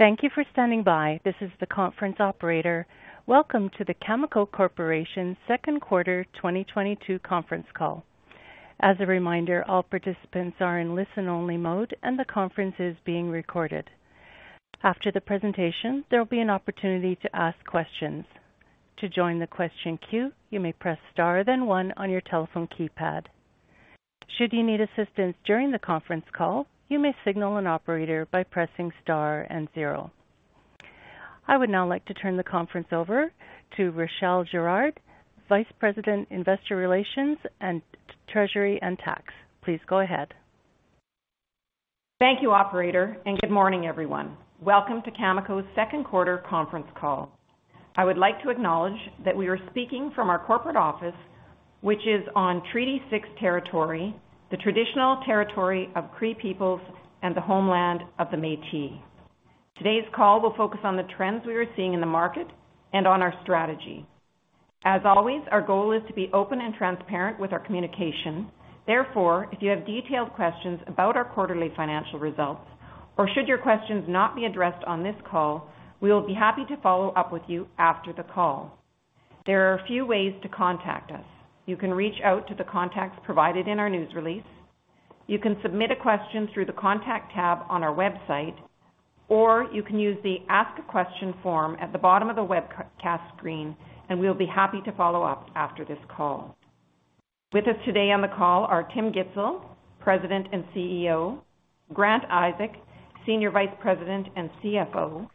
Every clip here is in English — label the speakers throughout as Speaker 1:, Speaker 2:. Speaker 1: Thank you for standing by. This is the conference operator. Welcome to the Cameco Corporation Second Quarter 2022 Conference Call. As a reminder, all participants are in listen-only mode and the conference is being recorded. After the presentation, there will be an opportunity to ask questions. To join the question queue, you may press star, then one on your telephone keypad. Should you need assistance during the conference call, you may signal an operator by pressing star and zero. I would now like to turn the conference over to Rachelle Girard, Vice President, Investor Relations and Treasury and Tax. Please go ahead.
Speaker 2: Thank you, operator, and good morning, everyone. Welcome to Cameco's Second Quarter Conference Call. I would like to acknowledge that we are speaking from our corporate office, which is on Treaty 6 territory, the traditional territory of Cree peoples and the homeland of the Métis. Today's call will focus on the trends we are seeing in the market and on our strategy. As always, our goal is to be open and transparent with our communication. Therefore, if you have detailed questions about our quarterly financial results, or should your questions not be addressed on this call, we will be happy to follow up with you after the call. There are a few ways to contact us. You can reach out to the contacts provided in our news release. You can submit a question through the Contact tab on our website, or you can use the Ask a Question form at the bottom of the webcast screen, and we'll be happy to follow up after this call. With us today on the call are Tim Gitzel, President and CEO, Grant Isaac, Senior Vice President and CFO,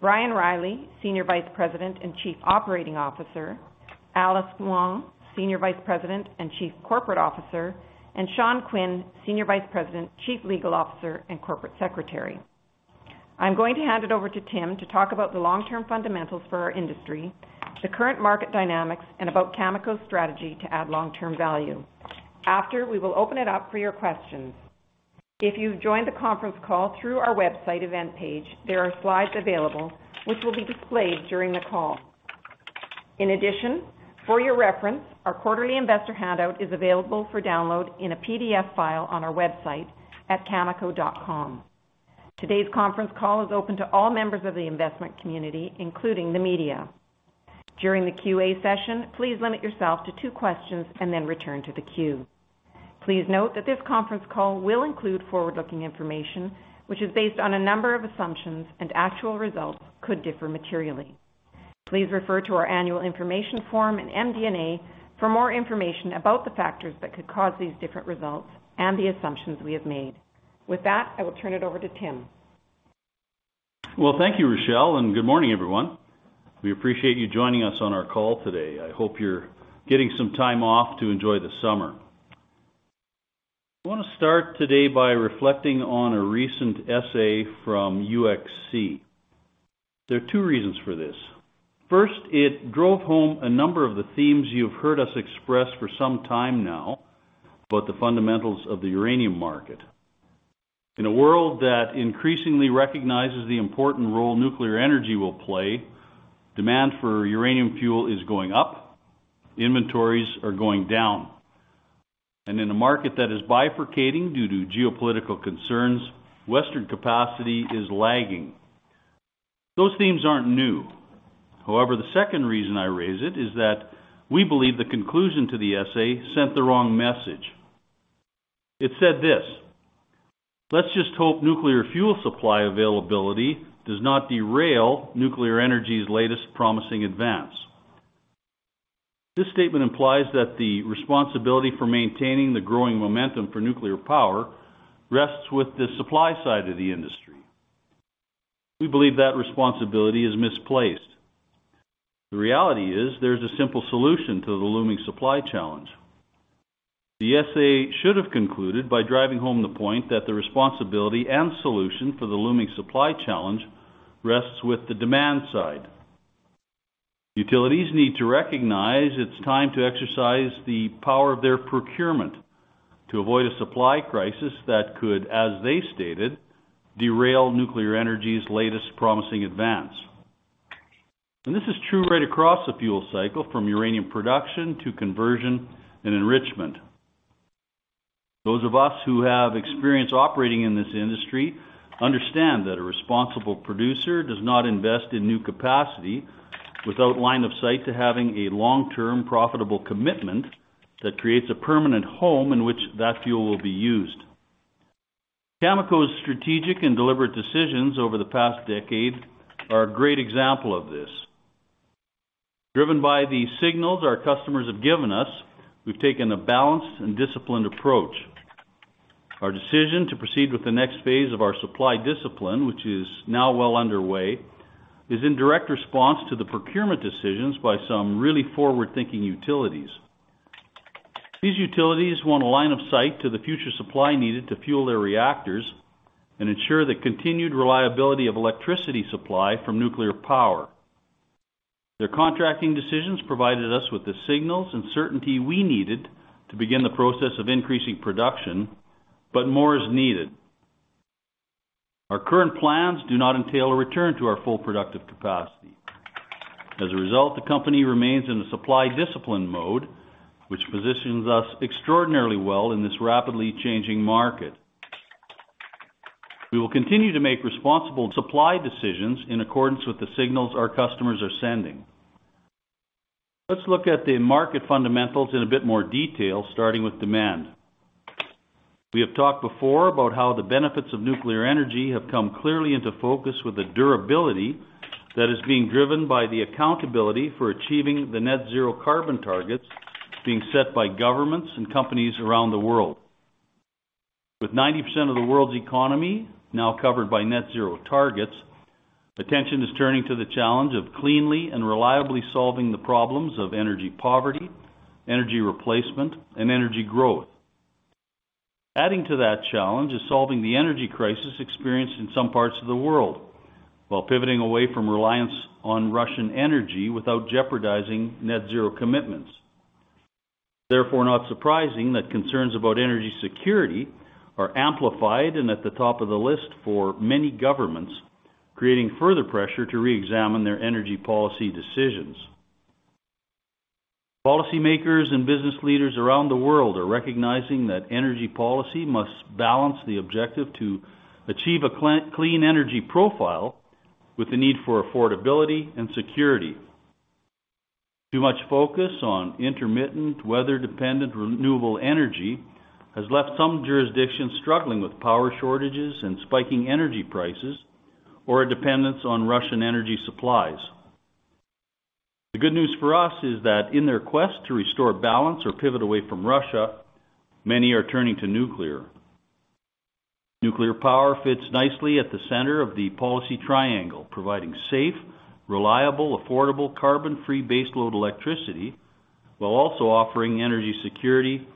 Speaker 2: Brian Reilly, Senior Vice President and Chief Operating Officer, Alice Wong, Senior Vice President and Chief Corporate Officer, and Sean Quinn, Senior Vice President, Chief Legal Officer, and Corporate Secretary. I'm going to hand it over to Tim to talk about the long-term fundamentals for our industry, the current market dynamics, and about Cameco's strategy to add long-term value. After, we will open it up for your questions. If you've joined the conference call through our website event page, there are slides available which will be displayed during the call. In addition, for your reference, our quarterly investor handout is available for download in a PDF file on our website at cameco.com. Today's conference call is open to all members of the investment community, including the media. During the QA session, please limit yourself to two questions and then return to the queue. Please note that this conference call will include forward-looking information, which is based on a number of assumptions, and actual results could differ materially. Please refer to our Annual Information Form and MD&A for more information about the factors that could cause these different results and the assumptions we have made. With that, I will turn it over to Tim.
Speaker 3: Well, thank you, Rachelle, and good morning, everyone. We appreciate you joining us on our call today. I hope you're getting some time off to enjoy the summer. I want to start today by reflecting on a recent essay from UxC. There are two reasons for this. First, it drove home a number of the themes you've heard us express for some time now about the fundamentals of the uranium market. In a world that increasingly recognizes the important role nuclear energy will play, demand for uranium fuel is going up, inventories are going down. In a market that is bifurcating due to geopolitical concerns, Western capacity is lagging. Those themes aren't new. However, the second reason I raise it is that we believe the conclusion to the essay sent the wrong message. It said this, "Let's just hope nuclear fuel supply availability does not derail nuclear energy's latest promising advance." This statement implies that the responsibility for maintaining the growing momentum for nuclear power rests with the supply side of the industry. We believe that responsibility is misplaced. The reality is there's a simple solution to the looming supply challenge. The essay should have concluded by driving home the point that the responsibility and solution for the looming supply challenge rests with the demand side. Utilities need to recognize it's time to exercise the power of their procurement to avoid a supply crisis that could, as they stated, derail nuclear energy's latest promising advance. This is true right across the fuel cycle, from uranium production to conversion and enrichment. Those of us who have experience operating in this industry understand that a responsible producer does not invest in new capacity without line of sight to having a long-term profitable commitment that creates a permanent home in which that fuel will be used. Cameco's strategic and deliberate decisions over the past decade are a great example of this. Driven by the signals our customers have given us, we've taken a balanced and disciplined approach. Our decision to proceed with the next phase of our supply discipline, which is now well underway, is in direct response to the procurement decisions by some really forward-thinking utilities. These utilities want a line of sight to the future supply needed to fuel their reactors and ensure the continued reliability of electricity supply from nuclear power. Their contracting decisions provided us with the signals and certainty we needed to begin the process of increasing production, but more is needed. Our current plans do not entail a return to our full productive capacity. As a result, the company remains in the supply discipline mode, which positions us extraordinarily well in this rapidly changing market. We will continue to make responsible supply decisions in accordance with the signals our customers are sending. Let's look at the market fundamentals in a bit more detail, starting with demand. We have talked before about how the benefits of nuclear energy have come clearly into focus with the durability that is being driven by the accountability for achieving the net zero carbon targets being set by governments and companies around the world. With 90% of the world's economy now covered by net zero targets, attention is turning to the challenge of cleanly and reliably solving the problems of energy poverty, energy replacement, and energy growth. Adding to that challenge is solving the energy crisis experienced in some parts of the world while pivoting away from reliance on Russian energy without jeopardizing net zero commitments. Therefore, not surprising that concerns about energy security are amplified and at the top of the list for many governments, creating further pressure to reexamine their energy policy decisions. Policymakers and business leaders around the world are recognizing that energy policy must balance the objective to achieve a clean energy profile with the need for affordability and security. Too much focus on intermittent, weather-dependent renewable energy has left some jurisdictions struggling with power shortages and spiking energy prices or a dependence on Russian energy supplies. The good news for us is that in their quest to restore balance or pivot away from Russia, many are turning to nuclear. Nuclear power fits nicely at the center of the policy triangle, providing safe, reliable, affordable, carbon-free baseload electricity while also offering energy security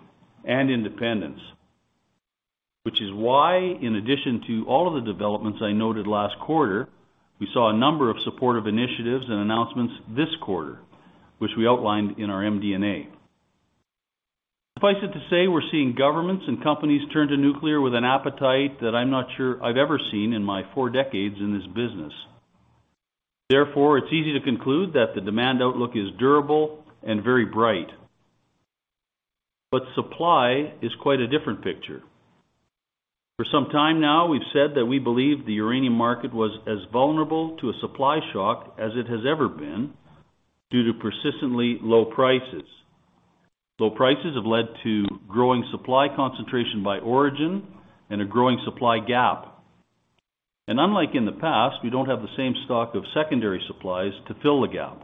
Speaker 3: and independence. Which is why, in addition to all of the developments I noted last quarter, we saw a number of supportive initiatives and announcements this quarter, which we outlined in our MD&A. Suffice it to say, we're seeing governments and companies turn to nuclear with an appetite that I'm not sure I've ever seen in my four decades in this business. Therefore, it's easy to conclude that the demand outlook is durable and very bright. Supply is quite a different picture. For some time now, we've said that we believe the uranium market was as vulnerable to a supply shock as it has ever been due to persistently low prices. Low prices have led to growing supply concentration by origin and a growing supply gap. Unlike in the past, we don't have the same stock of secondary supplies to fill the gap.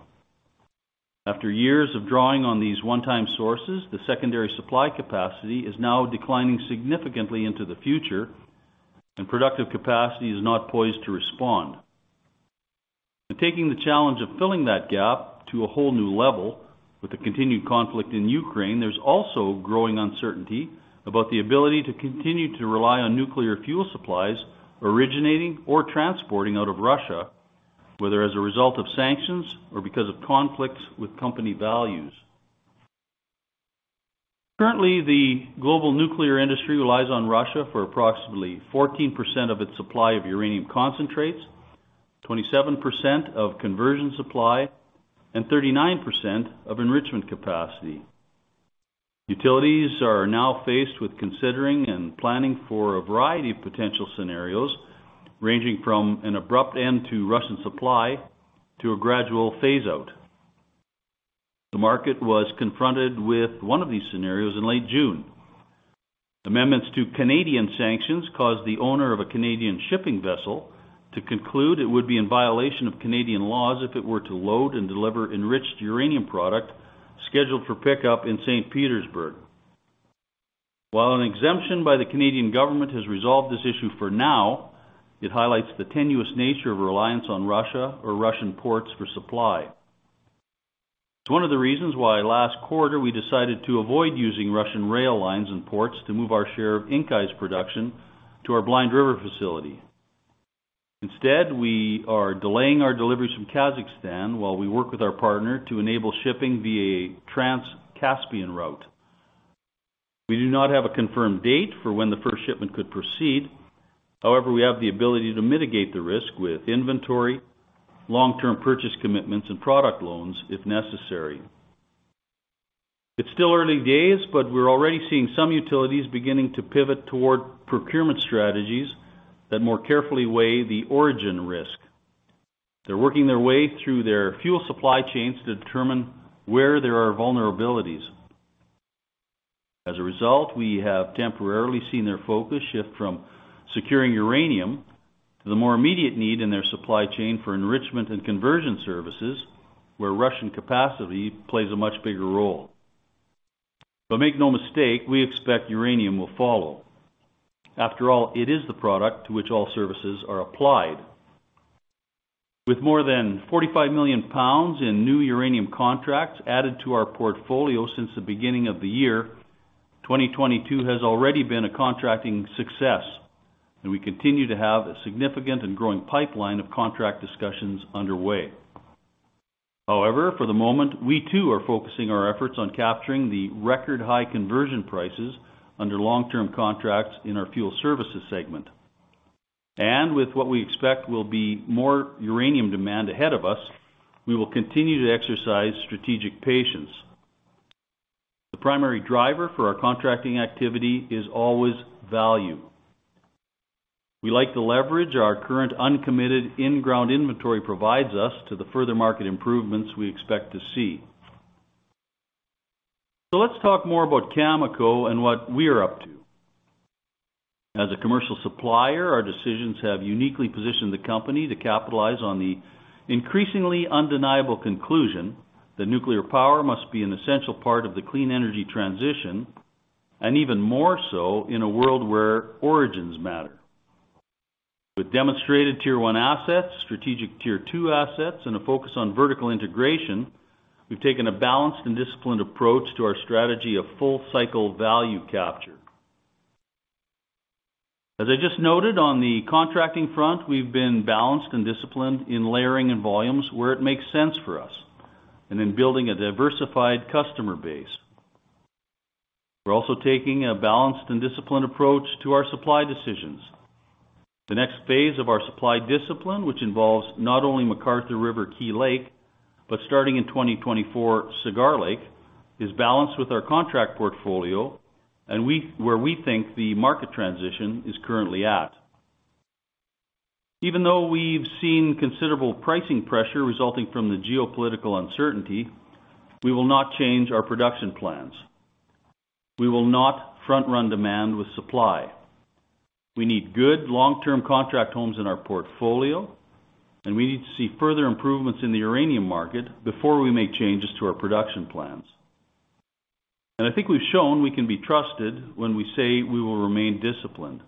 Speaker 3: After years of drawing on these one-time sources, the secondary supply capacity is now declining significantly into the future, and productive capacity is not poised to respond. Taking the challenge of filling that gap to a whole new level with the continued conflict in Ukraine, there's also growing uncertainty about the ability to continue to rely on nuclear fuel supplies originating or transporting out of Russia, whether as a result of sanctions or because of conflicts with company values. Currently, the global nuclear industry relies on Russia for approximately 14% of its supply of uranium concentrates, 27% of conversion supply, and 39% of enrichment capacity. Utilities are now faced with considering and planning for a variety of potential scenarios, ranging from an abrupt end to Russian supply to a gradual phase out. The market was confronted with one of these scenarios in late June. Amendments to Canadian sanctions caused the owner of a Canadian shipping vessel to conclude it would be in violation of Canadian laws if it were to load and deliver enriched uranium product scheduled for pickup in St. Petersburg. While an exemption by the Canadian government has resolved this issue for now, it highlights the tenuous nature of reliance on Russia or Russian ports for supply. It's one of the reasons why last quarter we decided to avoid using Russian rail lines and ports to move our share of Inkai's production to our Blind River facility. Instead, we are delaying our deliveries from Kazakhstan while we work with our partner to enable shipping via Trans-Caspian route. We do not have a confirmed date for when the first shipment could proceed. However, we have the ability to mitigate the risk with inventory, long-term purchase commitments, and product loans if necessary. It's still early days, but we're already seeing some utilities beginning to pivot toward procurement strategies that more carefully weigh the origin risk. They're working their way through their fuel supply chains to determine where there are vulnerabilities. As a result, we have temporarily seen their focus shift from securing uranium to the more immediate need in their supply chain for enrichment and conversion services, where Russian capacity plays a much bigger role. Make no mistake, we expect uranium will follow. After all, it is the product to which all services are applied. With more than 45 million lbs in new uranium contracts added to our portfolio since the beginning of the year, 2022 has already been a contracting success, and we continue to have a significant and growing pipeline of contract discussions underway. However, for the moment, we too are focusing our efforts on capturing the record high conversion prices under long-term contracts in our fuel services segment. With what we expect will be more uranium demand ahead of us, we will continue to exercise strategic patience. The primary driver for our contracting activity is always value. We like to leverage our current uncommitted in-ground inventory to position us for the further market improvements we expect to see. Let's talk more about Cameco and what we are up to. As a commercial supplier, our decisions have uniquely positioned the company to capitalize on the increasingly undeniable conclusion that nuclear power must be an essential part of the clean energy transition, and even more so in a world where origins matter. With demonstrated tier-one assets, strategic tier-two assets, and a focus on vertical integration, we've taken a balanced and disciplined approach to our strategy of full cycle value capture. As I just noted on the contracting front, we've been balanced and disciplined in layering in volumes where it makes sense for us and in building a diversified customer base. We're also taking a balanced and disciplined approach to our supply decisions. The next phase of our supply discipline, which involves not only McArthur River/Key Lake, but starting in 2024 Cigar Lake, is balanced with our contract portfolio where we think the market transition is currently at. Even though we've seen considerable pricing pressure resulting from the geopolitical uncertainty, we will not change our production plans. We will not front-run demand with supply. We need good long-term contract homes in our portfolio, and we need to see further improvements in the uranium market before we make changes to our production plans. I think we've shown we can be trusted when we say we will remain disciplined.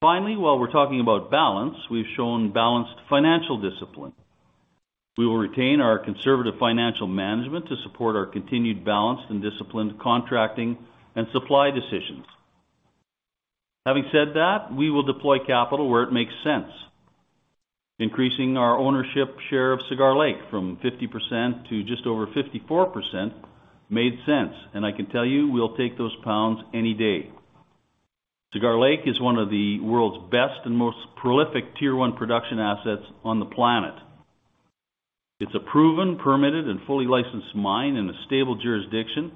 Speaker 3: Finally, while we're talking about balance, we've shown balanced financial discipline. We will retain our conservative financial management to support our continued balanced and disciplined contracting and supply decisions. Having said that, we will deploy capital where it makes sense. Increasing our ownership share of Cigar Lake from 50% to just over 54% made sense, and I can tell you we'll take those pounds any day. Cigar Lake is one of the world's best and most prolific tier-one production assets on the planet. It's a proven, permitted, and fully licensed mine in a stable jurisdiction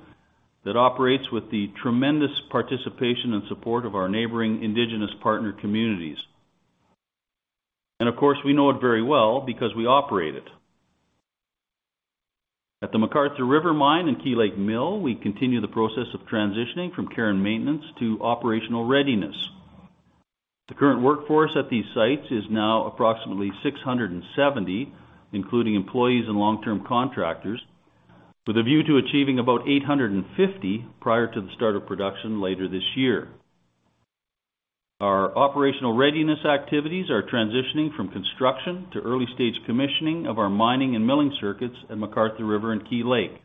Speaker 3: that operates with the tremendous participation and support of our neighboring Indigenous partner communities. Of course, we know it very well because we operate it. At the McArthur River mine in Key Lake mill, we continue the process of transitioning from care and maintenance to operational readiness. The current workforce at these sites is now approximately 670, including employees and long-term contractors, with a view to achieving about 850 prior to the start of production later this year. Our operational readiness activities are transitioning from construction to early-stage commissioning of our mining and milling circuits at McArthur River and Key Lake.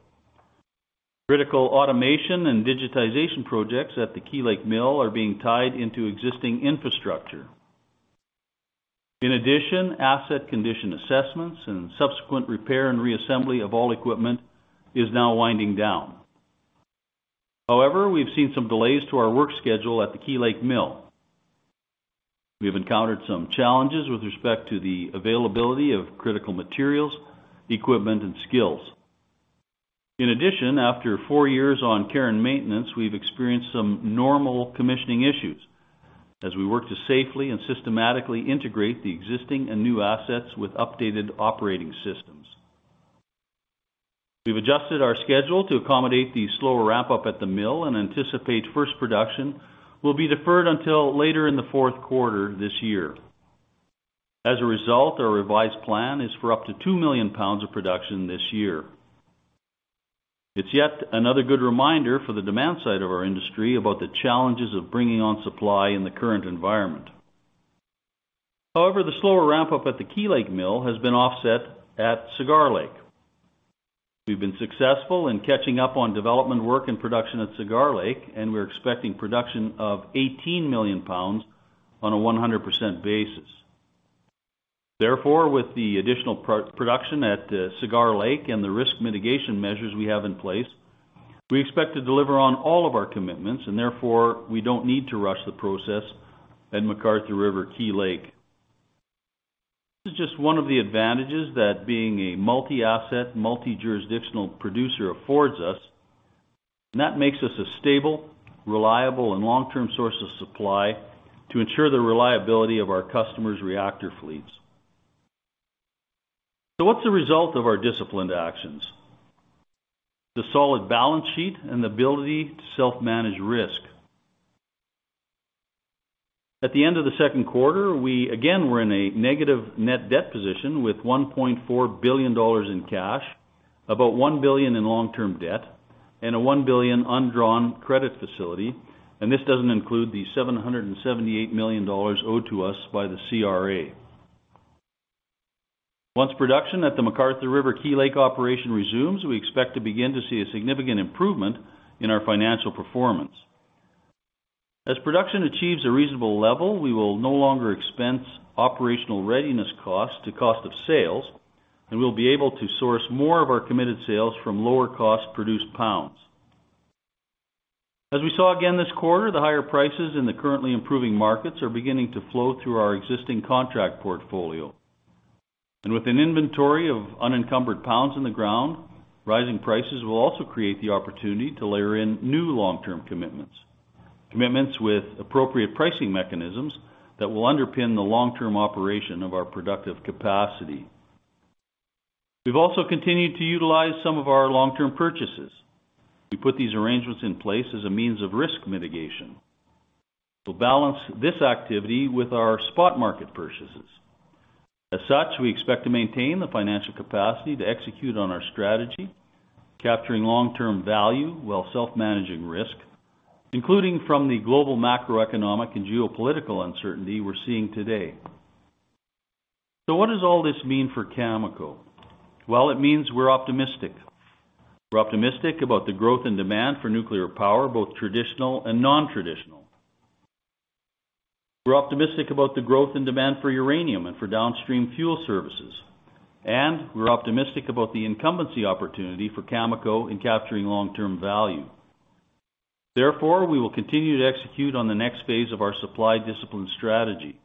Speaker 3: Critical automation and digitization projects at the Key Lake Mill are being tied into existing infrastructure. In addition, asset condition assessments and subsequent repair and reassembly of all equipment is now winding down. However, we've seen some delays to our work schedule at the Key Lake Mill. We have encountered some challenges with respect to the availability of critical materials, equipment, and skills. In addition, after four years on care and maintenance, we've experienced some normal commissioning issues as we work to safely and systematically integrate the existing and new assets with updated operating systems. We've adjusted our schedule to accommodate the slower ramp-up at the mill and anticipate first production will be deferred until later in the fourth quarter this year. As a result, our revised plan is for up to 2 million lbs of production this year. It's yet another good reminder for the demand side of our industry about the challenges of bringing on supply in the current environment. However, the slower ramp-up at the Key Lake mill has been offset at Cigar Lake. We've been successful in catching up on development work and production at Cigar Lake, and we're expecting production of 18 million lbs on a 100% basis. Therefore, with the additional production at Cigar Lake and the risk mitigation measures we have in place, we expect to deliver on all of our commitments, and therefore, we don't need to rush the process at McArthur River/Key Lake. This is just one of the advantages that being a multi-asset, multi-jurisdictional producer affords us, and that makes us a stable, reliable, and long-term source of supply to ensure the reliability of our customers' reactor fleets. What's the result of our disciplined actions? The solid balance sheet and the ability to self-manage risk. At the end of the second quarter, we again were in a negative net debt position with 1.4 billion dollars in cash, about 1 billion in long-term debt, and a 1 billion undrawn credit facility, and this doesn't include the 778 million dollars owed to us by the CRA. Once production at the McArthur River/Key Lake operation resumes, we expect to begin to see a significant improvement in our financial performance. As production achieves a reasonable level, we will no longer expense operational readiness costs to cost of sales, and we'll be able to source more of our committed sales from lower cost produced pounds. As we saw again this quarter, the higher prices in the currently improving markets are beginning to flow through our existing contract portfolio. With an inventory of unencumbered pounds in the ground, rising prices will also create the opportunity to layer in new long-term commitments with appropriate pricing mechanisms that will underpin the long-term operation of our productive capacity. We've also continued to utilize some of our long-term purchases. We put these arrangements in place as a means of risk mitigation. We'll balance this activity with our spot market purchases. As such, we expect to maintain the financial capacity to execute on our strategy, capturing long-term value while self-managing risk, including from the global macroeconomic and geopolitical uncertainty we're seeing today. What does all this mean for Cameco? Well, it means we're optimistic. We're optimistic about the growth and demand for nuclear power, both traditional and non-traditional. We're optimistic about the growth and demand for uranium and for downstream fuel services, and we're optimistic about the incumbency opportunity for Cameco in capturing long-term value. Therefore, we will continue to execute on the next phase of our supply discipline strategy.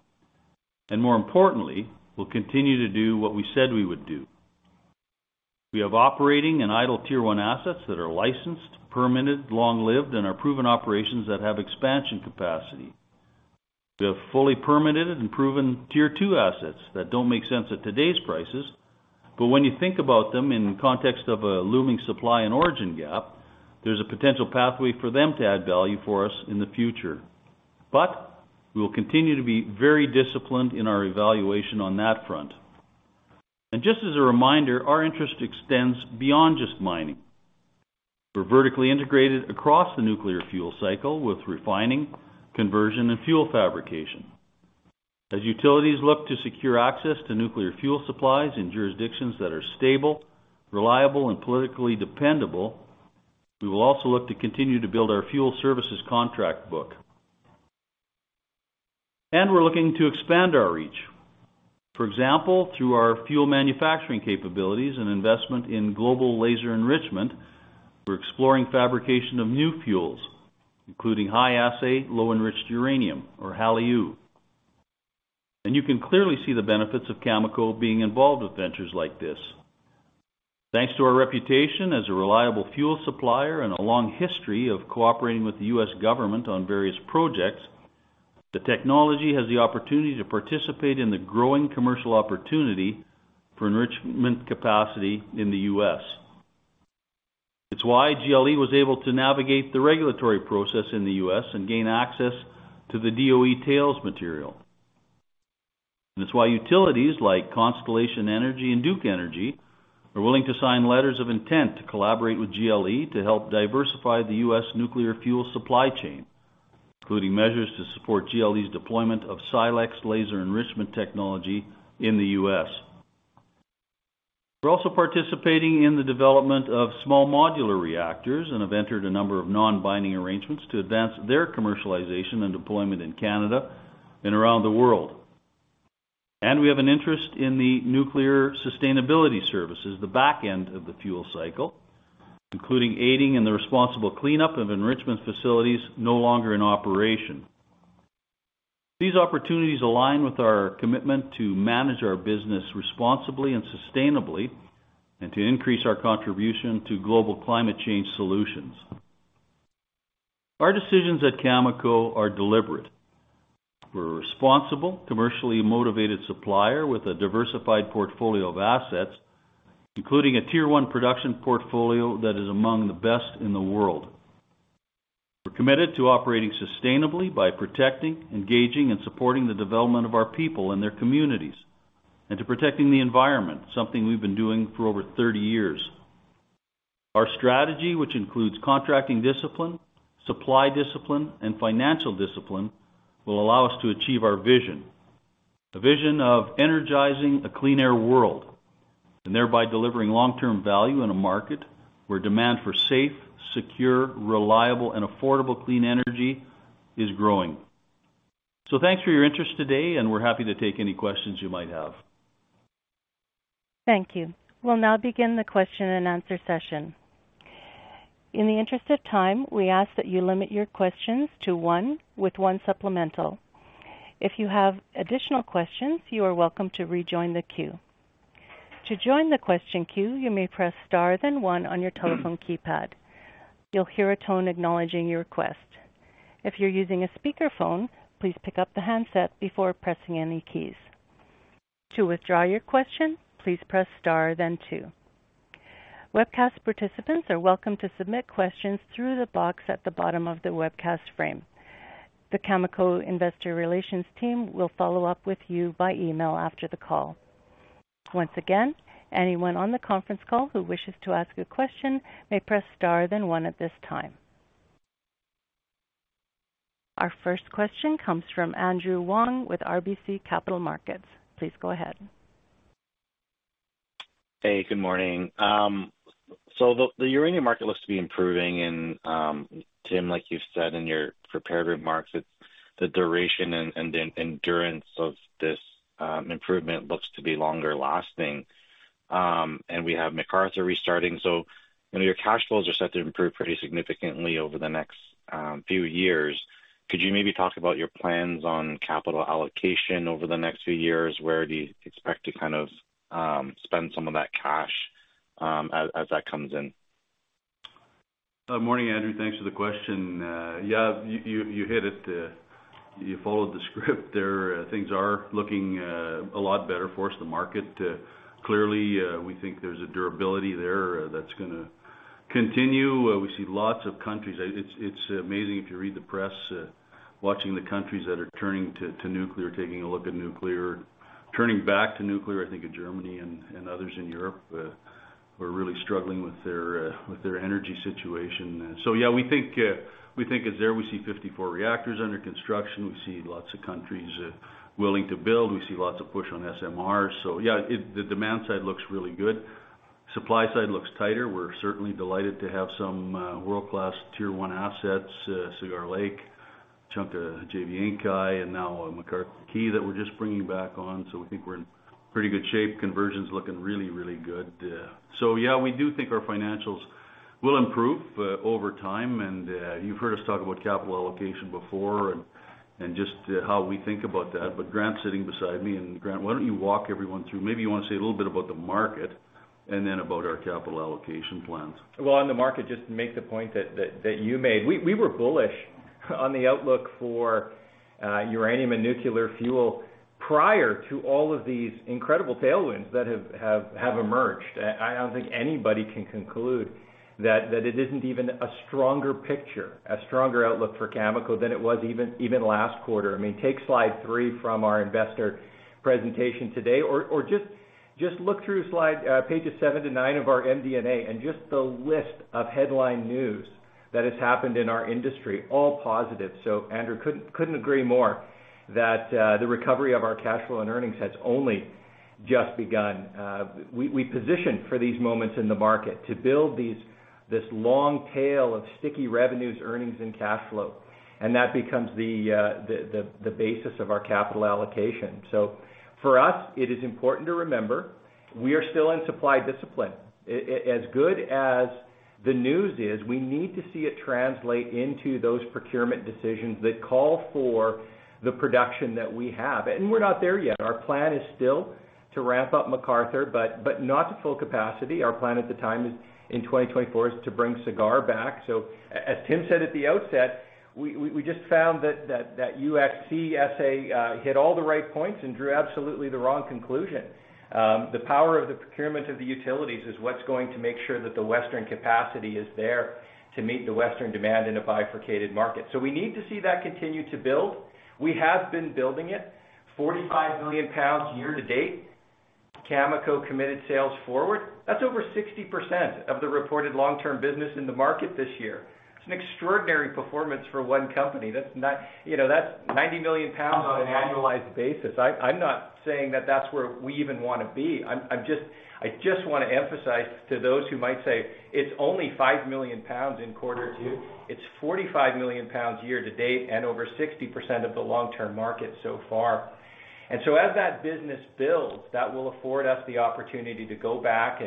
Speaker 3: More importantly, we'll continue to do what we said we would do. We have operating and idle tier-one assets that are licensed, permitted, long-lived, and are proven operations that have expansion capacity. We have fully permitted and proven tier-two assets that don't make sense at today's prices. When you think about them in context of a looming supply and origin gap, there's a potential pathway for them to add value for us in the future. We will continue to be very disciplined in our evaluation on that front. Just as a reminder, our interest extends beyond just mining. We're vertically integrated across the nuclear fuel cycle with refining, conversion, and fuel fabrication. As utilities look to secure access to nuclear fuel supplies in jurisdictions that are stable, reliable, and politically dependable, we will also look to continue to build our fuel services contract book. We're looking to expand our reach, for example, through our fuel manufacturing capabilities and investment in Global Laser Enrichment, we're exploring fabrication of new fuels, including high-assay low-enriched uranium or HALEU. You can clearly see the benefits of Cameco being involved with ventures like this. Thanks to our reputation as a reliable fuel supplier and a long history of cooperating with the U.S. government on various projects, the technology has the opportunity to participate in the growing commercial opportunity for enrichment capacity in the U.S. It's why GLE was able to navigate the regulatory process in the U.S. and gain access to the DOE tails material. It's why utilities like Constellation Energy and Duke Energy are willing to sign letters of intent to collaborate with GLE to help diversify the U.S. nuclear fuel supply chain, including measures to support GLE's deployment of Silex laser enrichment technology in the U.S. We're also participating in the development of small modular reactors and have entered a number of non-binding arrangements to advance their commercialization and deployment in Canada and around the world. We have an interest in the nuclear sustainability services, the back end of the fuel cycle, including aiding in the responsible cleanup of enrichment facilities no longer in operation. These opportunities align with our commitment to manage our business responsibly and sustainably and to increase our contribution to global climate change solutions. Our decisions at Cameco are deliberate. We're a responsible, commercially motivated supplier with a diversified portfolio of assets, including a tier-one production portfolio that is among the best in the world. We're committed to operating sustainably by protecting, engaging, and supporting the development of our people and their communities and to protecting the environment, something we've been doing for over 30 years. Our strategy, which includes contracting discipline, supply discipline, and financial discipline, will allow us to achieve our vision, a vision of energizing a clean air world and thereby delivering long-term value in a market where demand for safe, secure, reliable, and affordable clean energy is growing. Thanks for your interest today, and we're happy to take any questions you might have.
Speaker 1: Thank you. We'll now begin the question and answer session. In the interest of time, we ask that you limit your questions to one with one supplemental. If you have additional questions, you are welcome to rejoin the queue. To join the question queue, you may press star then one on your telephone keypad. You'll hear a tone acknowledging your request. If you're using a speakerphone, please pick up the handset before pressing any keys. To withdraw your question, please press star then two. Webcast participants are welcome to submit questions through the box at the bottom of the webcast frame. The Cameco investor relations team will follow up with you by email after the call. Once again, anyone on the conference call who wishes to ask a question may press star then one at this time. Our first question comes from Andrew Wong with RBC Capital Markets. Please go ahead.
Speaker 4: Hey, good morning. The uranium market looks to be improving and, Tim, like you said in your prepared remarks, it's the duration and the endurance of this improvement looks to be longer-lasting. We have McArthur restarting. You know, your cash flows are set to improve pretty significantly over the next few years. Could you maybe talk about your plans on capital allocation over the next few years? Where do you expect to kind of spend some of that cash as that comes in?
Speaker 3: Morning, Andrew. Thanks for the question. Yeah, you hit it. You followed the script there. Things are looking a lot better for us, the market. Clearly, we think there's a durability there that's gonna continue. We see lots of countries. It's amazing to read the press, watching the countries that are turning to nuclear, taking a look at nuclear, turning back to nuclear. I think of Germany and others in Europe who are really struggling with their energy situation. Yeah, we think it's there. We see 54 reactors under construction. We see lots of countries willing to build. We see lots of push on SMR. Yeah, it, the demand side looks really good. Supply side looks tighter. We're certainly delighted to have some world-class tier-one assets, Cigar Lake, chunk of JV Inkai, and now McArthur/Key that we're just bringing back on. We think we're in pretty good shape. Conversion's looking really, really good. Yeah, we do think our financials will improve over time. You've heard us talk about capital allocation before and just how we think about that. Grant's sitting beside me. Grant, why don't you walk everyone through? Maybe you wanna say a little bit about the market and then about our capital allocation plans.
Speaker 5: Well, on the market, just to make the point that you made, we were bullish on the outlook for uranium and nuclear fuel prior to all of these incredible tailwinds that have emerged. I don't think anybody can conclude that it isn't even a stronger picture, a stronger outlook for Cameco than it was even last quarter. I mean, take slide slide from our investor presentation today or just look through pages seven to nine of our MD&A and just the list of headline news that has happened in our industry, all positive. Andrew, couldn't agree more that the recovery of our cash flow and earnings has only just begun. We positioned for these moments in the market to build this long tail of sticky revenues, earnings, and cash flow. That becomes the basis of our capital allocation. For us, it is important to remember, we are still in supply discipline. As good as the news is, we need to see it translate into those procurement decisions that call for the production that we have. We're not there yet. Our plan is still to ramp up McArthur, but not to full capacity. Our plan at the time is in 2024 to bring Cigar back. As Tim said at the outset, we just found that UxC essay hit all the right points and drew absolutely the wrong conclusion. The power of the procurement of the utilities is what's going to make sure that the Western capacity is there to meet the Western demand in a bifurcated market. We need to see that continue to build. We have been building it 45 million lbs year-to-date, Cameco committed sales forward. That's over 60% of the reported long-term business in the market this year. It's an extraordinary performance for one company. That's you know, that's 90 million lbs on an annualized basis. I'm not saying that that's where we even wanna be. I'm just wanna emphasize to those who might say it's only 5 million lbs in quarter two. It's 45 million lbs year-to-date and over 60% of the long-term market so far. As that business builds, that will afford us the opportunity to go back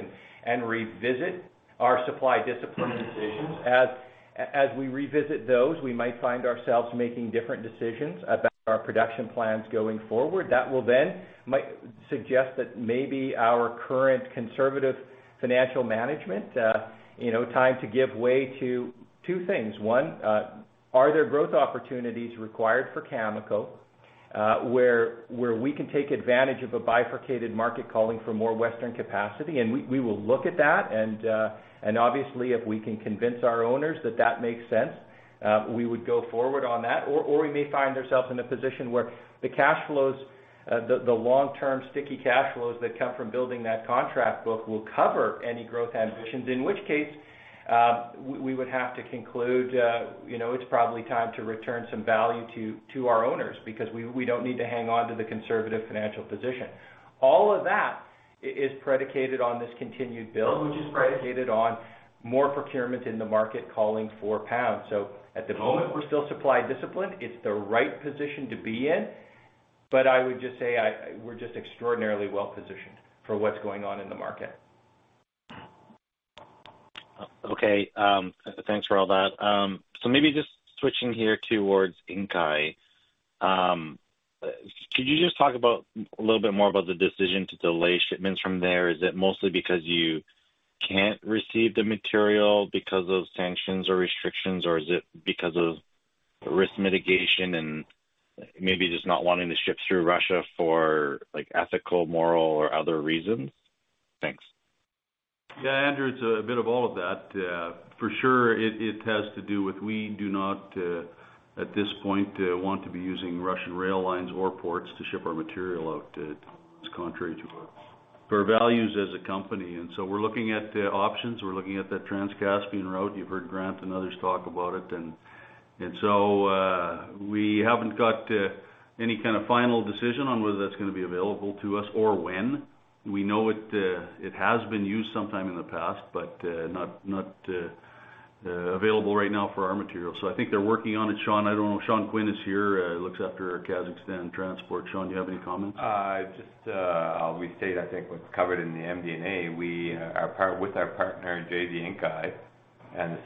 Speaker 5: and revisit our supply discipline decisions. As we revisit those, we might find ourselves making different decisions about our production plans going forward. That will then might suggest that maybe our current conservative financial management time to give way to two things. One, are there growth opportunities required for Cameco, where we can take advantage of a bifurcated market calling for more Western capacity? We will look at that. Obviously, if we can convince our owners that that makes sense, we would go forward on that, or we may find ourselves in a position where the cash flows, the long-term sticky cash flows that come from building that contract book will cover any growth ambitions. In which case, we would have to conclude, it's probably time to return some value to our owners because we don't need to hang on to the conservative financial position. All of that is predicated on this continued build, which is predicated on more procurement in the market calling for pounds. At the moment, we're still supply disciplined. It's the right position to be in. I would just say we're just extraordinarily well-positioned for what's going on in the market.
Speaker 4: Okay. Thanks for all that. Maybe just switching here towards Inkai. Could you just talk about a little bit more about the decision to delay shipments from there? Is it mostly because you can't receive the material because of sanctions or restrictions, or is it because of risk mitigation and maybe just not wanting to ship through Russia for like ethical, moral, or other reasons? Thanks.
Speaker 3: Yeah. Andrew, it's a bit of all of that. For sure, it has to do with we do not, at this point, want to be using Russian rail lines or ports to ship our material out. It's contrary to our values as a company. We're looking at options. We're looking at that Trans-Caspian route. You've heard Grant and others talk about it. We haven't got any kind of final decision on whether that's gonna be available to us or when. We know it has been used sometime in the past, but not available right now for our material. So I think they're working on it. Sean, I don't know, Sean Quinn is here, looks after Kazakhstan transport. Sean, do you have any comments?
Speaker 6: Just, we've said, I think what's covered in the MD&A, with our partner JV Inkai and the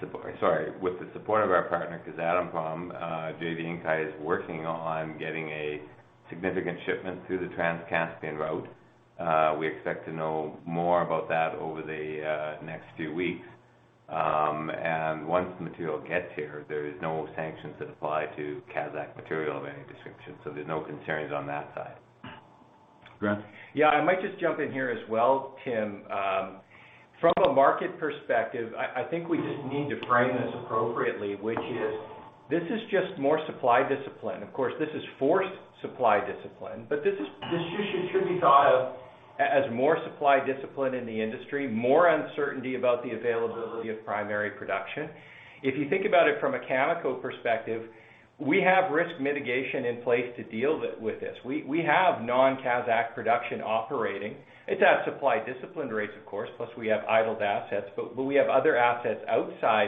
Speaker 6: support of our partner Kazatomprom, JV Inkai is working on getting a significant shipment through the Trans-Caspian route. We expect to know more about that over the next few weeks. Once the material gets here, there is no sanctions that apply to Kazakh material of any description, so there's no concerns on that side.
Speaker 3: Grant?
Speaker 5: Yeah, I might just jump in here as well, Tim. From a market perspective, I think we just need to frame this appropriately, which is this is just more supply discipline. Of course, this is forced supply discipline, but this should be thought of as more supply discipline in the industry, more uncertainty about the availability of primary production. If you think about it from a Cameco perspective, we have risk mitigation in place to deal with this. We have non-Kazakh production operating. It's at supply disciplined rates of course, plus we have idled assets, but we have other assets outside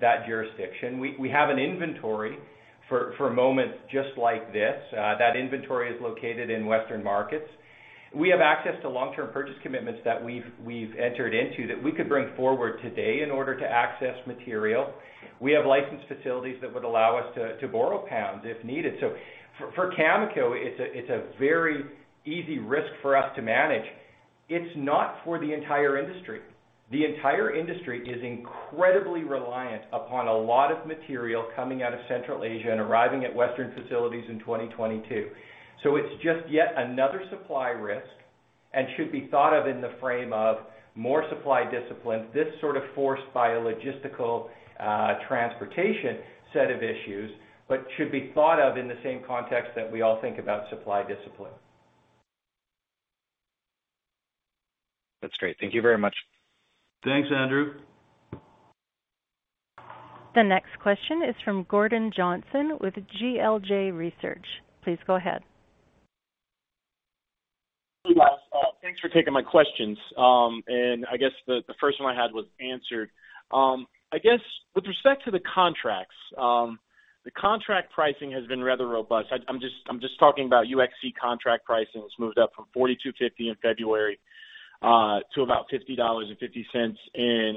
Speaker 5: that jurisdiction. We have an inventory for moments just like this. That inventory is located in Western markets. We have access to long-term purchase commitments that we've entered into that we could bring forward today in order to access material. We have licensed facilities that would allow us to borrow pounds if needed. For Cameco, it's a very easy risk for us to manage. It's not for the entire industry. The entire industry is incredibly reliant upon a lot of material coming out of Central Asia and arriving at Western facilities in 2022. It's just yet another supply risk and should be thought of in the frame of more supply discipline. This sort of forced by a logistical, transportation set of issues, but should be thought of in the same context that we all think about supply discipline.
Speaker 4: That's great. Thank you very much.
Speaker 3: Thanks, Andrew.
Speaker 1: The next question is from Gordon Johnson with GLJ Research. Please go ahead.
Speaker 7: Thanks for taking my questions. I guess the first one I had was answered. I guess with respect to the contracts, the contract pricing has been rather robust. I'm just talking about UxC contract pricing. It's moved up from $42.50 in February to about $50.50 in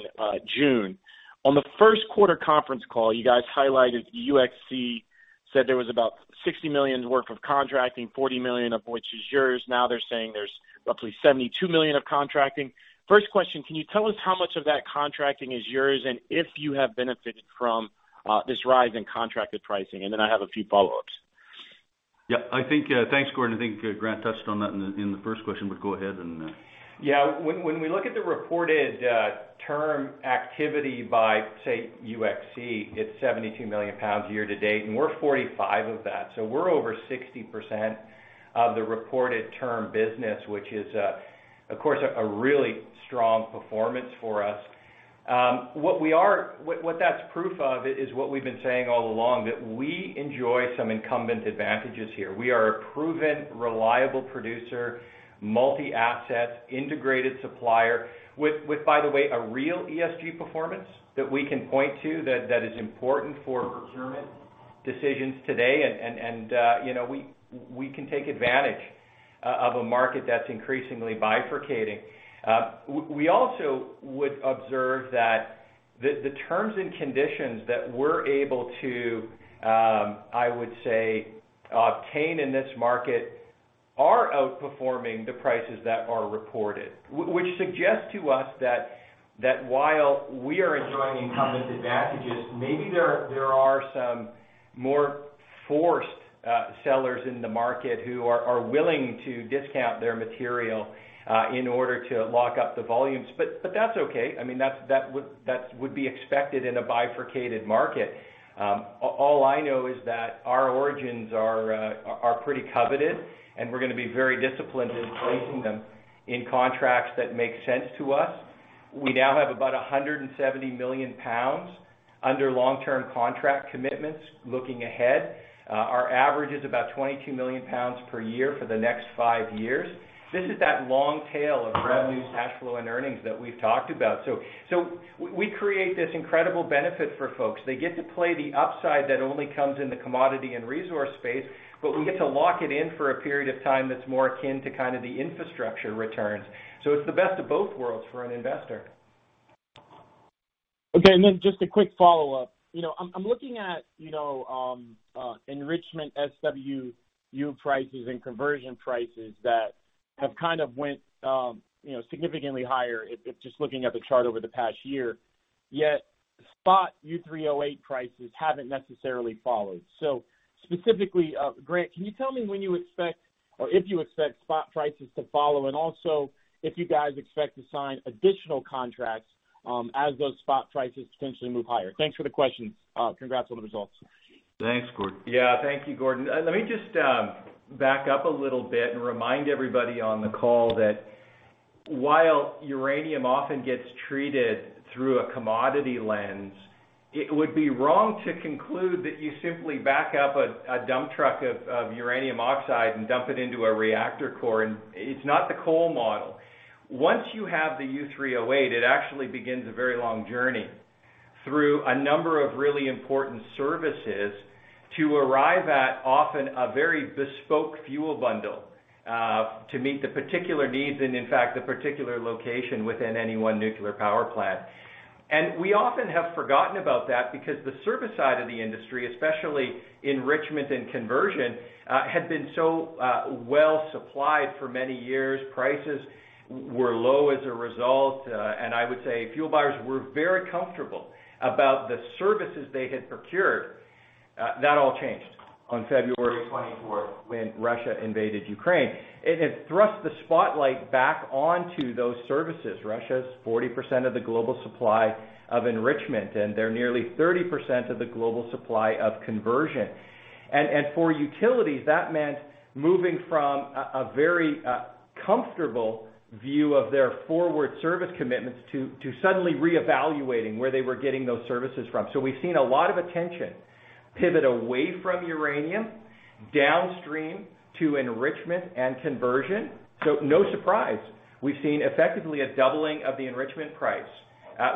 Speaker 7: June. On the first quarter conference call, you guys highlighted UxC, said there was about $60 million worth of contracting, $40 million of which is yours. Now they're saying there's roughly $72 million of contracting. First question, can you tell us how much of that contracting is yours, and if you have benefited from this rise in contracted pricing? I have a few follow-ups.
Speaker 3: Yeah, I think, thanks, Gordon. I think Grant touched on that in the first question, but go ahead and,
Speaker 5: Yeah. When we look at the reported term activity by, say, UxC, it's 72 million lbs year-to-date, and we're 45 of that. We're over 60% of the reported term business, which is, of course, a really strong performance for us. What that's proof of is what we've been saying all along, that we enjoy some incumbent advantages here. We are a proven, reliable producer, multi-asset, integrated supplier with, by the way, a real ESG performance that we can point to that is important for procurement decisions today. You know, we can take advantage of a market that's increasingly bifurcating. We also would observe that the terms and conditions that we're able to, I would say, obtain in this market are outperforming the prices that are reported, which suggests to us that while we are enjoying incumbent advantages, maybe there are some more forced sellers in the market who are willing to discount their material in order to lock up the volumes. That's okay. I mean, that would be expected in a bifurcated market. All I know is that our origins are pretty coveted, and we're gonna be very disciplined in placing them in contracts that make sense to us. We now have about 170 million lbs under long-term contract commitments looking ahead. Our average is about 22 million lbs per year for the next five years. This is that long tail of revenues, cash flow, and earnings that we've talked about. We create this incredible benefit for folks. They get to play the upside that only comes in the commodity and resource space, but we get to lock it in for a period of time that's more akin to kind of the infrastructure returns. It's the best of both worlds for an investor.
Speaker 7: Okay. Just a quick follow-up. You know, I'm looking at, you know, enrichment SWU prices and conversion prices that have kind of went, you know, significantly higher if just looking at the chart over the past year, yet spot U308 prices haven't necessarily followed. Specifically, Grant, can you tell me when you expect or if you expect spot prices to follow, and also if you guys expect to sign additional contracts, as those spot prices potentially move higher? Thanks for the questions. Congrats on the results.
Speaker 3: Thanks, Gordon.
Speaker 5: Yeah. Thank you, Gordon. Let me just back up a little bit and remind everybody on the call that while uranium often gets treated through a commodity lens, it would be wrong to conclude that you simply back up a dump truck of uranium oxide and dump it into a reactor core, and it's not the coal model. Once you have the U308, it actually begins a very long journey through a number of really important services to arrive at often a very bespoke fuel bundle to meet the particular needs and in fact, the particular location within any one nuclear power plant. We often have forgotten about that because the service side of the industry, especially enrichment and conversion, had been so well supplied for many years. Prices were low as a result, and I would say fuel buyers were very comfortable about the services they had procured. That all changed on February 24 when Russia invaded Ukraine. It had thrust the spotlight back onto those services. Russia's 40% of the global supply of enrichment, and they're nearly 30% of the global supply of conversion. For utilities, that meant moving from a very comfortable view of their forward service commitments to suddenly reevaluating where they were getting those services from. We've seen a lot of attention pivot away from uranium downstream to enrichment and conversion. No surprise, we've seen effectively a doubling of the enrichment price.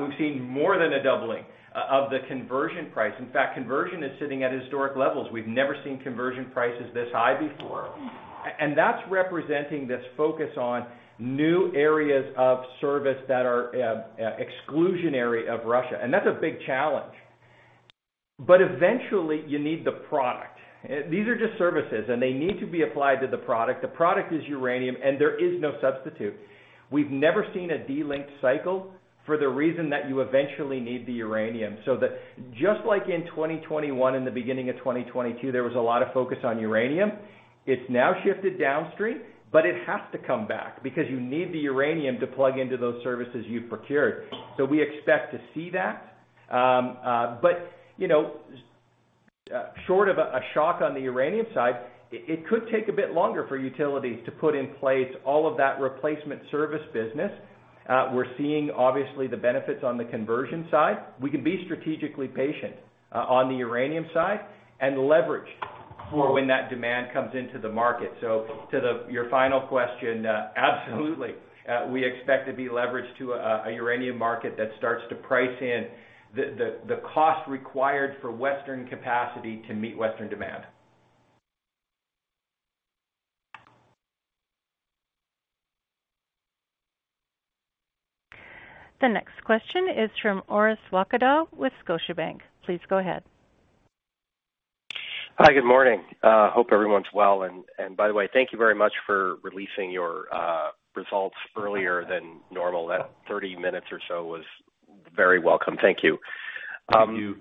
Speaker 5: We've seen more than a doubling of the conversion price. In fact, conversion is sitting at historic levels. We've never seen conversion prices this high before. That's representing this focus on new areas of service that are exclusionary of Russia. That's a big challenge. Eventually you need the product. These are just services, and they need to be applied to the product. The product is uranium, and there is no substitute. We've never seen a delinked cycle for the reason that you eventually need the uranium. Just like in 2021 and the beginning of 2022, there was a lot of focus on uranium. It's now shifted downstream, but it has to come back because you need the uranium to plug into those services you've procured. We expect to see that. You know, short of a shock on the uranium side, it could take a bit longer for utilities to put in place all of that replacement service business. We're seeing obviously the benefits on the conversion side. We can be strategically patient on the uranium side and leverage for when that demand comes into the market. To your final question, absolutely. We expect to be leveraged to a uranium market that starts to price in the cost required for Western capacity to meet Western demand.
Speaker 1: The next question is from Orest Wowkodaw with Scotiabank. Please go ahead.
Speaker 8: Hi, good morning. Hope everyone's well. By the way, thank you very much for releasing your results earlier than normal. That 30 minutes or so was very welcome. Thank you.
Speaker 3: Thank you.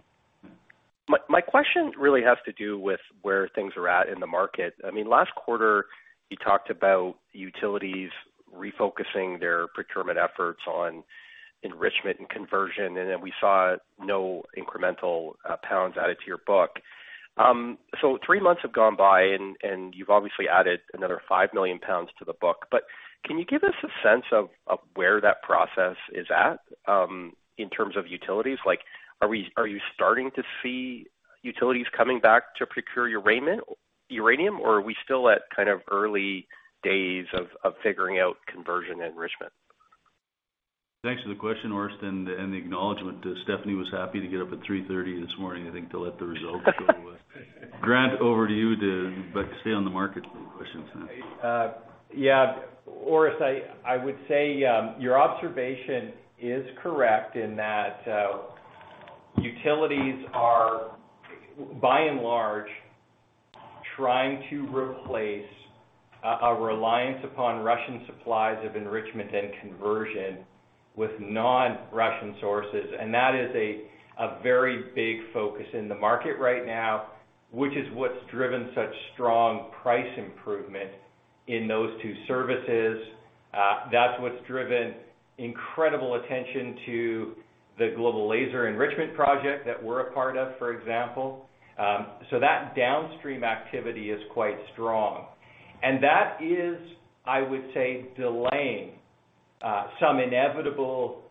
Speaker 8: My question really has to do with where things are at in the market. I mean, last quarter, you talked about utilities refocusing their procurement efforts on enrichment and conversion, and then we saw no incremental pounds added to your book. Three months have gone by and you've obviously added another 5 million pounds to the book. Can you give us a sense of where that process is at in terms of utilities? Like, are you starting to see utilities coming back to procure uranium, or are we still at kind of early days of figuring out conversion and enrichment?
Speaker 3: Thanks for the question, Orest, and the acknowledgment. Stephanie was happy to get up at 3:30 A.M. this morning, I think, to let the results go with. Grant, over to you too, but stay on the market for the questions.
Speaker 5: Yeah. Orest, I would say your observation is correct in that utilities are by and large trying to replace a reliance upon Russian supplies of enrichment and conversion with non-Russian sources. That is a very big focus in the market right now, which is what's driven such strong price improvement in those two services. That's what's driven incredible attention to the Global Laser Enrichment project that we're a part of, for example. So that downstream activity is quite strong. That is, I would say, delaying some inevitable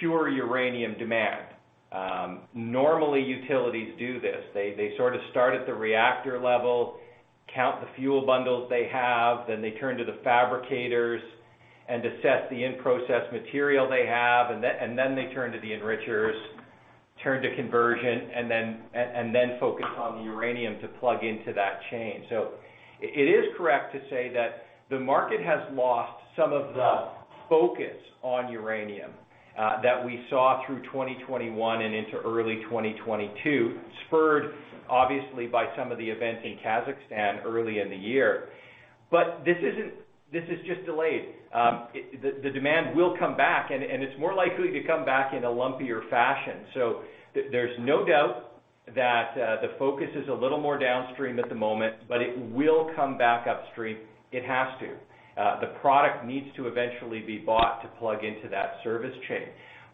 Speaker 5: pure uranium demand. Normally, utilities do this. They sort of start at the reactor level, count the fuel bundles they have, then they turn to the fabricators and assess the in-process material they have, and then they turn to the enrichers, turn to conversion, and then focus on the uranium to plug into that chain. It is correct to say that the market has lost some of the focus on uranium that we saw through 2021 and into early 2022, spurred obviously by some of the events in Kazakhstan early in the year. This is just delayed. The demand will come back and it's more likely to come back in a lumpier fashion. There's no doubt that the focus is a little more downstream at the moment, but it will come back upstream. It has to. The product needs to eventually be bought to plug into that service chain.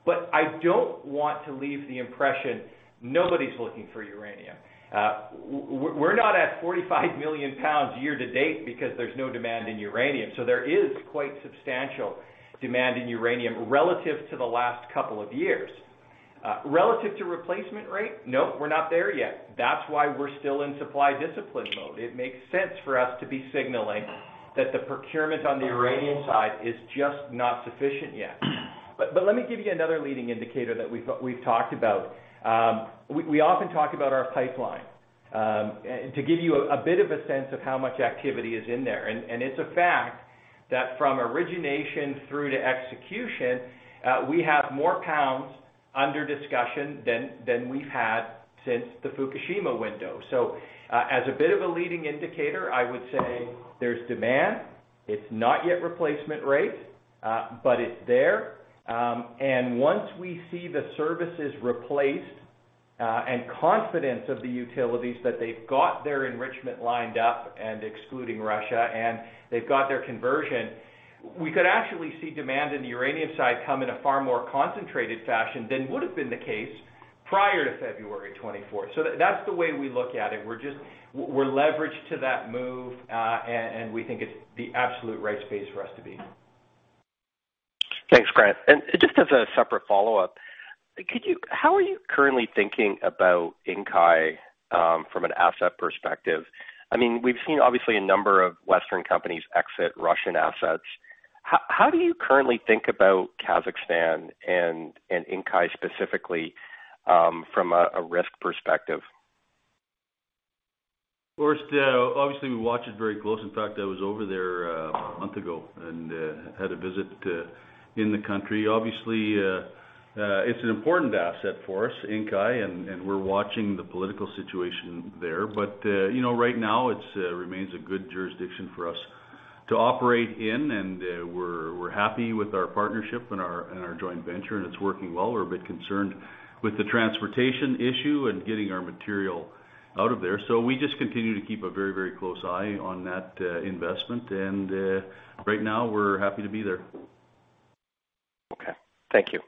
Speaker 5: I don't want to leave the impression nobody's looking for uranium. We're not at 45 million lbs year-to-date because there's no demand in uranium. There is quite substantial demand in uranium relative to the last couple of years. Relative to replacement rate? No, we're not there yet. That's why we're still in supply discipline mode. It makes sense for us to be signaling that the procurement on the uranium side is just not sufficient yet. Let me give you another leading indicator that we've talked about. We often talk about our pipeline. To give you a bit of a sense of how much activity is in there, it's a fact that from origination through to execution, we have more pounds under discussion than we've had since the Fukushima window. As a bit of a leading indicator, I would say there's demand. It's not yet replacement rate, but it's there. Once we see the services replaced, and confidence of the utilities that they've got their enrichment lined up and excluding Russia, and they've got their conversion, we could actually see demand in the uranium side come in a far more concentrated fashion than would have been the case prior to February 24. That's the way we look at it. We're leveraged to that move, and we think it's the absolute right space for us to be.
Speaker 8: Thanks, Grant. Just as a separate follow-up, how are you currently thinking about Inkai from an asset perspective? I mean, we've seen obviously a number of Western companies exit Russian assets. How do you currently think about Kazakhstan and Inkai specifically from a risk perspective?
Speaker 3: Of course, obviously we watch it very close. In fact, I was over there a month ago and had a visit in the country. Obviously, it is an important asset for us, Inkai, and we're watching the political situation there. You know, right now, it remains a good jurisdiction for us to operate in, and we're happy with our partnership and our joint venture, and it is working well. We're a bit concerned with the transportation issue and getting our material out of there. We just continue to keep a very, very close eye on that investment. Right now we're happy to be there.
Speaker 8: Okay, thank you.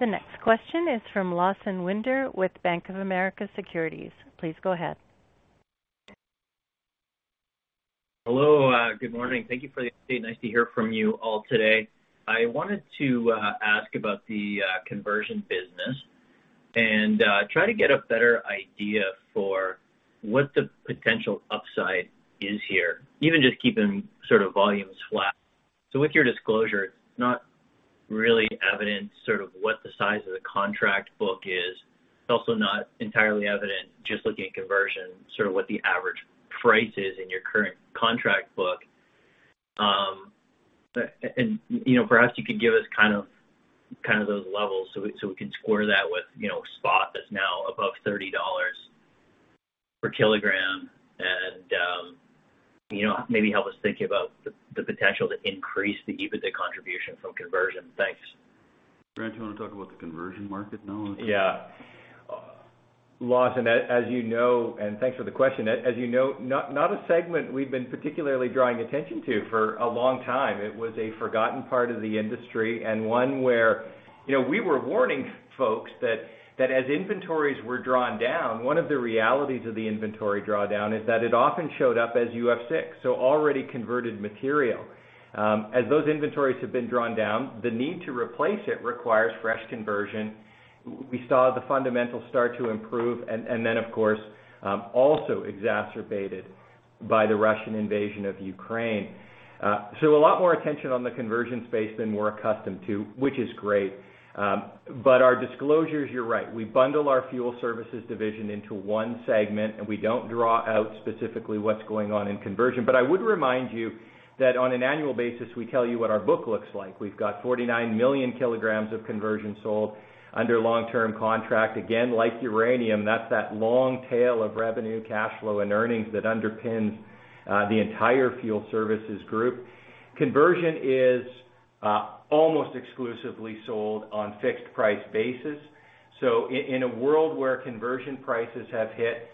Speaker 1: The next question is from Lawson Winder with Bank of America Securities. Please go ahead.
Speaker 9: Hello. Good morning. Thank you for the update. Nice to hear from you all today. I wanted to ask about the conversion business and try to get a better idea for what the potential upside is here, even just keeping sort of volumes flat. With your disclosure, it's not really evident sort of what the size of the contract book is. It's also not entirely evident just looking at conversion, sort of what the average price is in your current contract book. And you know, perhaps you could give us kind of those levels so we can square that with you know, spot that's now above $30 per kg and you know, maybe help us think about the potential to increase the EBITDA contribution from conversion. Thanks.
Speaker 3: Grant, do you want to talk about the conversion market now?
Speaker 5: Yeah. Lawson, as you know, and thanks for the question. As you know, not a segment we've been particularly drawing attention to for a long time. It was a forgotten part of the industry and one where, you know, we were warning folks that as inventories were drawn down, one of the realities of the inventory drawdown is that it often showed up as UF6, so already converted material. As those inventories have been drawn down, the need to replace it requires fresh conversion. We saw the fundamentals start to improve and then of course also exacerbated by the Russian invasion of Ukraine. A lot more attention on the conversion space than we're accustomed to, which is great. Our disclosures, you're right. We bundle our fuel services division into one segment, and we don't draw out specifically what's going on in conversion. I would remind you that on an annual basis, we tell you what our book looks like. We've got 49 million kg of conversion sold under long-term contract. Again, like uranium, that's that long tail of revenue, cash flow, and earnings that underpins the entire fuel services group. Conversion is almost exclusively sold on fixed price basis. In a world where conversion prices have hit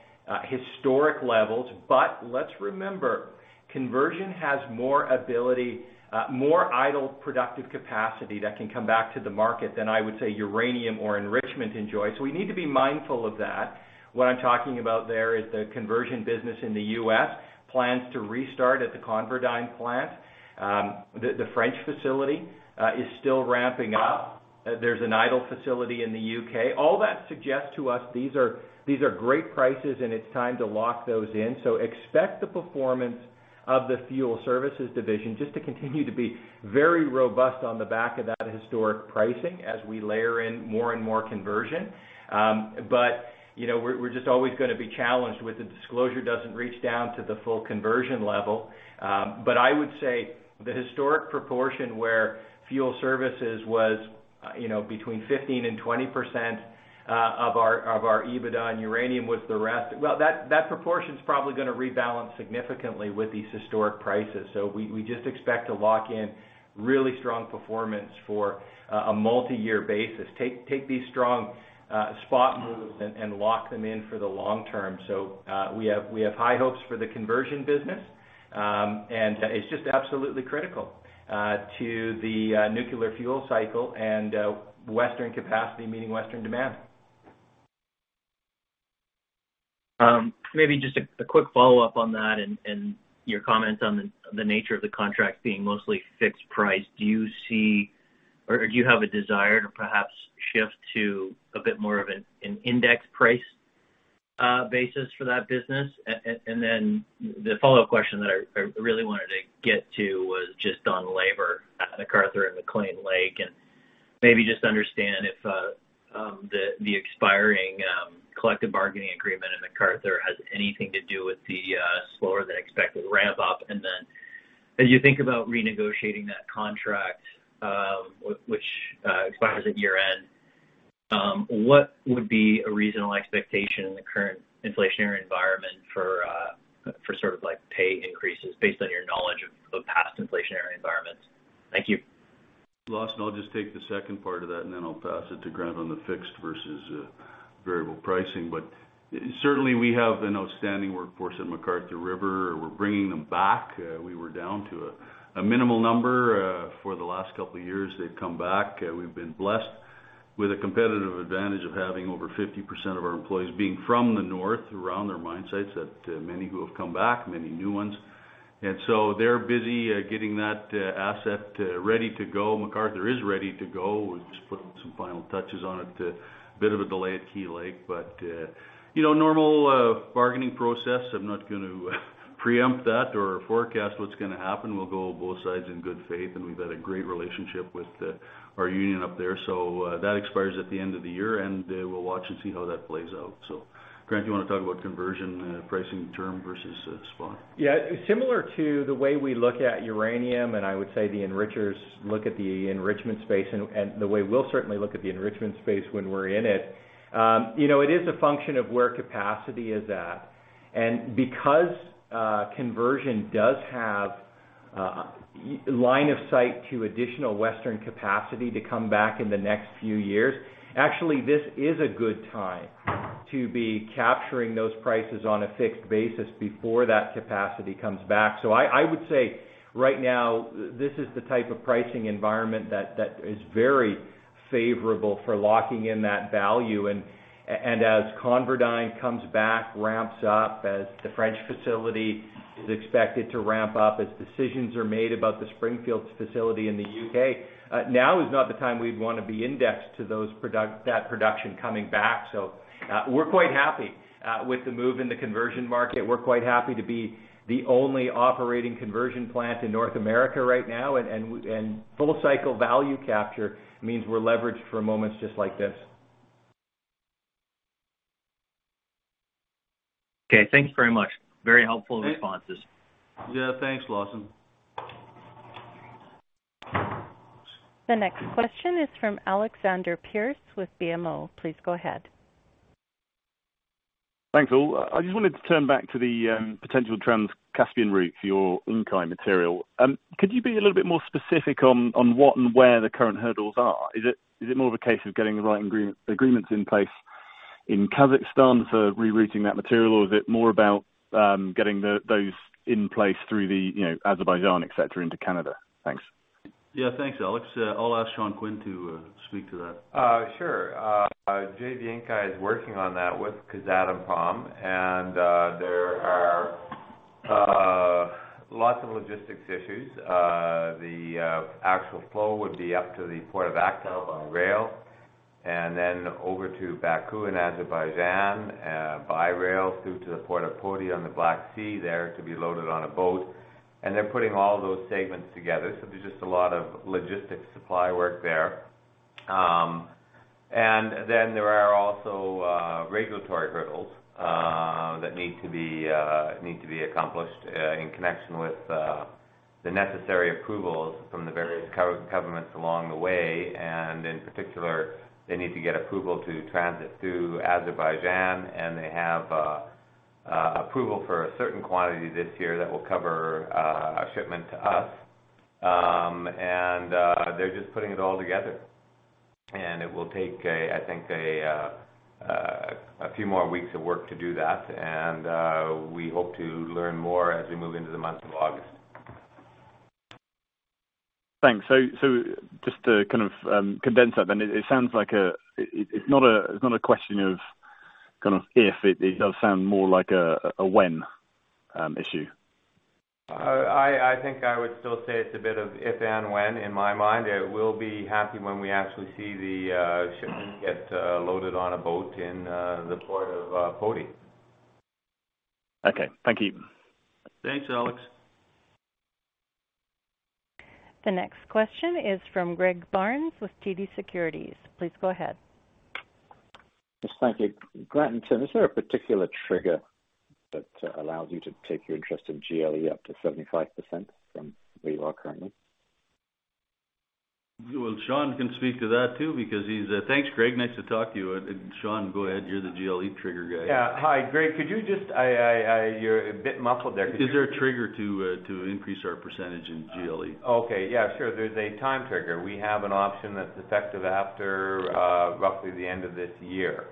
Speaker 5: historic levels, let's remember, conversion has more idle productive capacity that can come back to the market than I would say uranium or enrichment enjoys. We need to be mindful of that. What I'm talking about there is the conversion business in the U.S. plans to restart at the ConverDyn plant. The French facility is still ramping up. There's an idle facility in the U.K. All that suggests to us these are great prices, and it's time to lock those in. Expect the performance of the fuel services division just to continue to be very robust on the back of that historic pricing as we layer in more and more conversion. You know, we're just always going to be challenged with the disclosure doesn't reach down to the full conversion level. I would say the historic proportion where fuel services was you know between 15%-20% of our EBITDA and uranium was the rest. Well, that proportion is probably going to rebalance significantly with these historic prices. We just expect to lock in really strong performance for a multi-year basis. Take these strong spot moves and lock them in for the long-term. We have high hopes for the conversion business. It's just absolutely critical to the nuclear fuel cycle and Western capacity, meaning Western demand.
Speaker 9: Maybe just a quick follow-up on that and your comments on the nature of the contract being mostly fixed price. Do you see or do you have a desire to perhaps shift to a bit more of an index price basis for that business? The follow-up question that I really wanted to get to was just on labor at McArthur and Key Lake, and maybe just understand if the expiring collective bargaining agreement in McArthur has anything to do with the slower than expected ramp up. As you think about renegotiating that contract, which expires at year-end, what would be a reasonable expectation in the current inflationary environment for sort of like pay increases based on your knowledge of past inflationary environments? Thank you.
Speaker 3: Lawson, I'll just take the second part of that, and then I'll pass it to Grant on the fixed versus variable pricing. Certainly, we have an outstanding workforce at McArthur River. We're bringing them back. We were down to a minimal number for the last couple of years. They've come back. We've been blessed with a competitive advantage of having over 50% of our employees being from the north around their mine sites that many who have come back, many new ones. They're busy getting that asset ready to go. McArthur is ready to go. We're just putting some final touches on it. A bit of a delay at Key Lake. You know, normal bargaining process. I'm not gonna preempt that or forecast what's gonna happen. We'll go both sides in good faith, and we've had a great relationship with our union up there. That expires at the end of the year, and we'll watch and see how that plays out. Grant, you wanna talk about conversion pricing term versus spot?
Speaker 5: Yeah. Similar to the way we look at uranium, and I would say the enrichers look at the enrichment space and the way we'll certainly look at the enrichment space when we're in it. You know, it is a function of where capacity is at. Because conversion does have line of sight to additional Western capacity to come back in the next few years. Actually, this is a good time to be capturing those prices on a fixed basis before that capacity comes back. I would say right now, this is the type of pricing environment that is very favorable for locking in that value. As ConverDyn comes back, ramps up as the French facility is expected to ramp up, as decisions are made about the Springfields facility in the UK, now is not the time we'd wanna be indexed to that production coming back. We're quite happy with the move in the conversion market. We're quite happy to be the only operating conversion plant in North America right now. Full cycle value capture means we're leveraged for moments just like this.
Speaker 9: Okay, thanks very much. Very helpful responses.
Speaker 3: Yeah, thanks, Lawson.
Speaker 1: The next question is from Alexander Pearce with BMO. Please go ahead.
Speaker 10: Thanks, all. I just wanted to turn back to the potential Trans-Caspian route for your Inkai material. Could you be a little bit more specific on what and where the current hurdles are? Is it more of a case of getting the right agreements in place in Kazakhstan for rerouting that material, or is it more about getting those in place through you know, Azerbaijan, et cetera, into Canada? Thanks.
Speaker 3: Yeah. Thanks, Alex. I'll ask Sean Quinn to speak to that.
Speaker 6: Sure. JV Inkai is working on that with Kazatomprom, and there are lots of logistics issues. The actual flow would be up to the port of Aktau on rail and then over to Baku in Azerbaijan, by rail through to the port of Poti on the Black Sea there to be loaded on a boat. They're putting all those segments together. There's just a lot of logistics supply work there. Then there are also regulatory hurdles that need to be accomplished in connection with the necessary approvals from the various governments along the way. In particular, they need to get approval to transit through Azerbaijan, and they have approval for a certain quantity this year that will cover a shipment to us. They're just putting it all together. It will take, I think, a few more weeks of work to do that. We hope to learn more as we move into the month of August.
Speaker 10: Thanks. Just to kind of condense that then, it sounds like it's not a question of kind of if, it does sound more like a when issue.
Speaker 6: I think I would still say it's a bit of if and when in my mind. I will be happy when we actually see the shipment get loaded on a boat in the port of Poti.
Speaker 10: Okay. Thank you.
Speaker 3: Thanks, Alex.
Speaker 1: The next question is from Greg Barnes with TD Securities. Please go ahead.
Speaker 11: Yes, thank you. Grant and Tim, is there a particular trigger that allows you to take your interest in GLE up to 75% from where you are currently?
Speaker 3: Well, Sean can speak to that, too. Thanks, Greg. Nice to talk to you. Sean, go ahead. You're the GLE trigger guy.
Speaker 6: Yeah. Hi, Greg. You're a bit muffled there. Could you-
Speaker 3: Is there a trigger to increase our percentage in GLE?
Speaker 6: Okay. Yeah, sure. There's a time trigger. We have an option that's effective after, roughly the end of this year,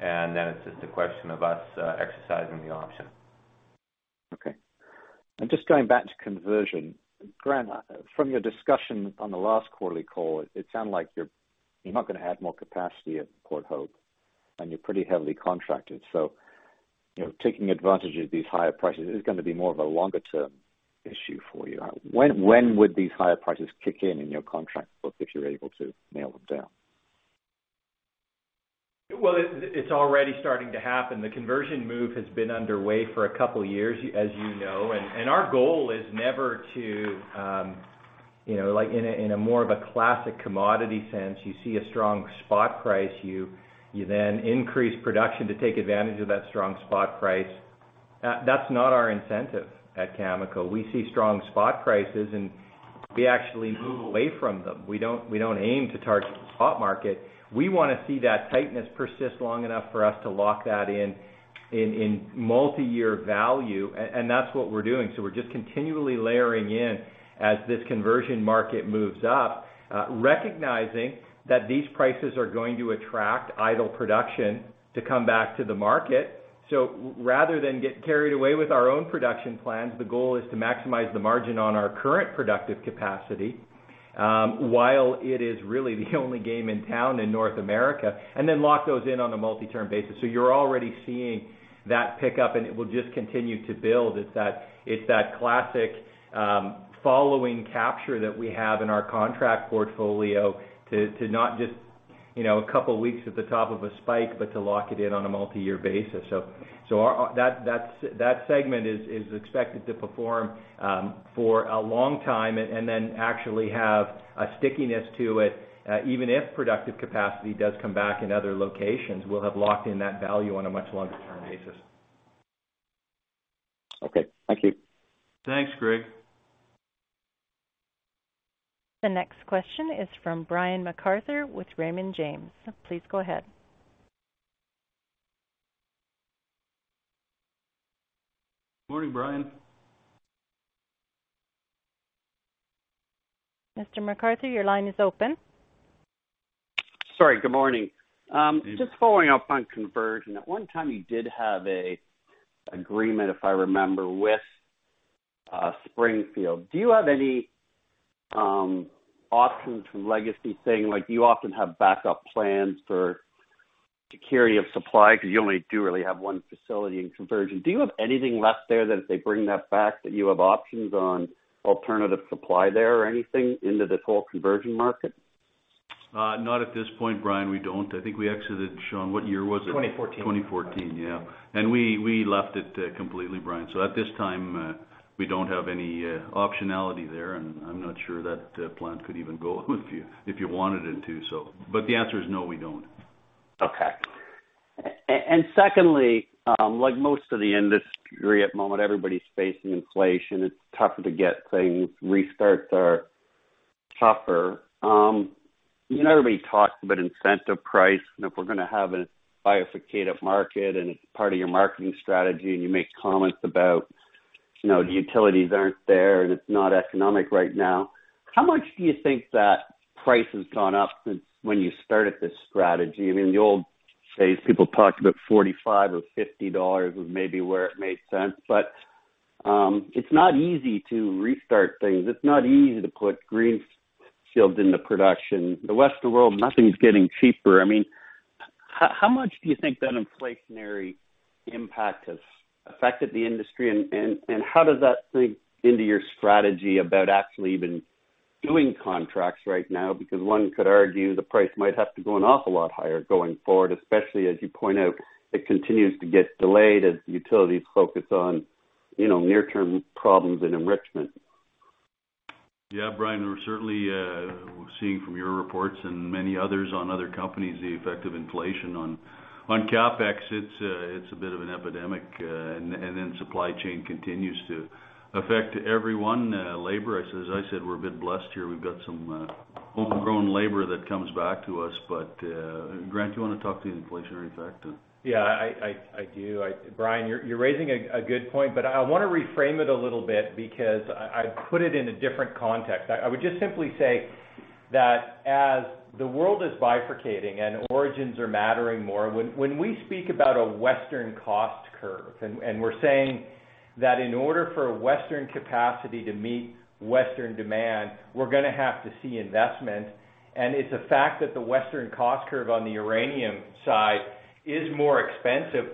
Speaker 6: and then it's just a question of us, exercising the option.
Speaker 11: Okay. Just going back to conversion, Grant, from your discussion on the last quarterly call, it sounded like you're not gonna add more capacity at Port Hope, and you're pretty heavily contracted. You know, taking advantage of these higher prices is gonna be more of a longer-term issue for you. When would these higher prices kick in your contract book, if you're able to nail them down?
Speaker 5: Well, it's already starting to happen. The conversion move has been underway for a couple years, as you know, and our goal is never to you know, like in a more of a classic commodity sense, you see a strong spot price, you then increase production to take advantage of that strong spot price. That's not our incentive at Cameco. We see strong spot prices, and we actually move away from them. We don't aim to target the spot market. We wanna see that tightness persist long enough for us to lock that in in multiyear value. That's what we're doing. We're just continually layering in as this conversion market moves up, recognizing that these prices are going to attract idle production to come back to the market. Rather than get carried away with our own production plans, the goal is to maximize the margin on our current productive capacity, while it is really the only game in town in North America, and then lock those in on a multi-term basis. You're already seeing that pick up, and it will just continue to build. It's that classic following capture that we have in our contract portfolio to not just, you know, a couple weeks at the top of a spike, but to lock it in on a multi-year basis. That segment is expected to perform for a long time and then actually have a stickiness to it, even if productive capacity does come back in other locations, we'll have locked in that value on a much longer term basis.
Speaker 11: Okay. Thank you.
Speaker 3: Thanks, Greg.
Speaker 1: The next question is from Brian MacArthur with Raymond James. Please go ahead.
Speaker 3: Morning, Brian.
Speaker 1: Mr. MacArthur, your line is open.
Speaker 12: Sorry, good morning. Just following up on conversion. At one time, you did have a agreement, if I remember, with Springfield. Do you have any options from legacy saying, like, do you often have backup plans for security of supply because you only do really have one facility in conversion? Do you have anything left there that if they bring that back, that you have options on alternative supply there or anything into this whole conversion market?
Speaker 3: Not at this point, Brian, we don't. I think we exited, Sean, what year was it?
Speaker 6: 2014.
Speaker 3: 2014, yeah. We left it completely, Brian. At this time, we don't have any optionality there, and I'm not sure that plant could even go if you wanted it to. The answer is no, we don't.
Speaker 12: Okay. Secondly, like most of the industry at the moment, everybody's facing inflation. It's tougher to get things. Restarts are tougher. You know, everybody talks about incentive price, and if we're gonna have a bifurcated market and it's part of your marketing strategy and you make comments about, you know, the utilities aren't there and it's not economic right now. How much do you think that price has gone up since when you started this strategy? I mean, in the old days, people talked about 45 or 50 dollars was maybe where it made sense. It's not easy to restart things. It's not easy to put greenfield into production. The rest of the world, nothing's getting cheaper. I mean, how much do you think that inflationary impact has affected the industry? How does that factor into your strategy about actually even doing contracts right now? Because one could argue the price might have to go an awful lot higher going forward, especially as you point out, it continues to get delayed as the utilities focus on, you know, near-term problems and enrichment.
Speaker 3: Yeah, Brian, we're certainly seeing from your reports and many others on other companies, the effect of inflation on CapEx. It's a bit of an epidemic. Supply chain continues to affect everyone. Labor, as I said, we're a bit blessed here. We've got some homegrown labor that comes back to us. Grant, you wanna talk to the inflationary factor?
Speaker 5: Yeah, I do. Brian, you're raising a good point, but I wanna reframe it a little bit because I put it in a different context. I would just simply say that as the world is bifurcating and origins are mattering more, when we speak about a Western cost curve, and we're saying that in order for Western capacity to meet Western demand, we're gonna have to see investment. It's a fact that the Western cost curve on the uranium side is more expensive.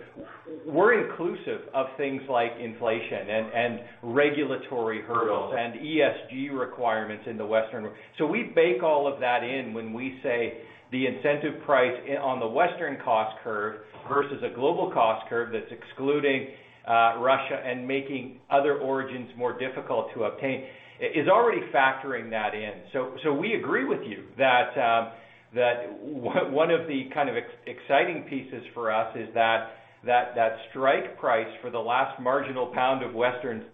Speaker 5: We're inclusive of things like inflation and regulatory hurdles and ESG requirements in the Western world. We bake all of that in when we say the incentive price on the Western cost curve versus a global cost curve that's excluding Russia and making other origins more difficult to obtain is already factoring that in. We agree with you that one of the kind of exciting pieces for us is that strike price for the last marginal pound of Western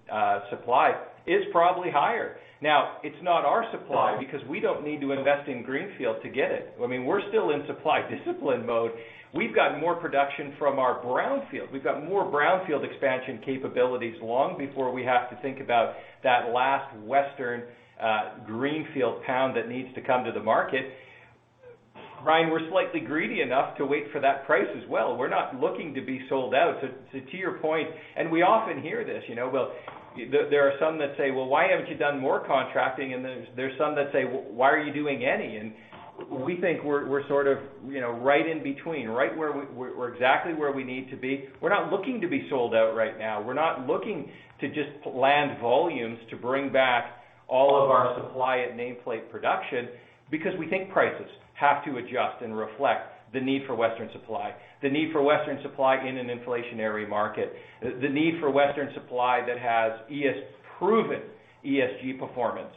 Speaker 5: supply is probably higher. Now, it's not our supply because we don't need to invest in greenfield to get it. I mean, we're still in supply discipline mode. We've got more production from our brownfield. We've got more brownfield expansion capabilities long before we have to think about that last Western greenfield pound that needs to come to the market. Brian, we're slightly greedy enough to wait for that price as well. We're not looking to be sold out. To your point, and we often hear this, you know, well, there are some that say, "Well, why haven't you done more contracting?" There's some that say, "Why are you doing any?" We think we're sort of, you know, right in between. Right where we're exactly where we need to be. We're not looking to be sold out right now. We're not looking to just land volumes to bring back all of our supply at nameplate production because we think prices have to adjust and reflect the need for Western supply, the need for Western supply in an inflationary market, the need for Western supply that has ESG-proven ESG performance.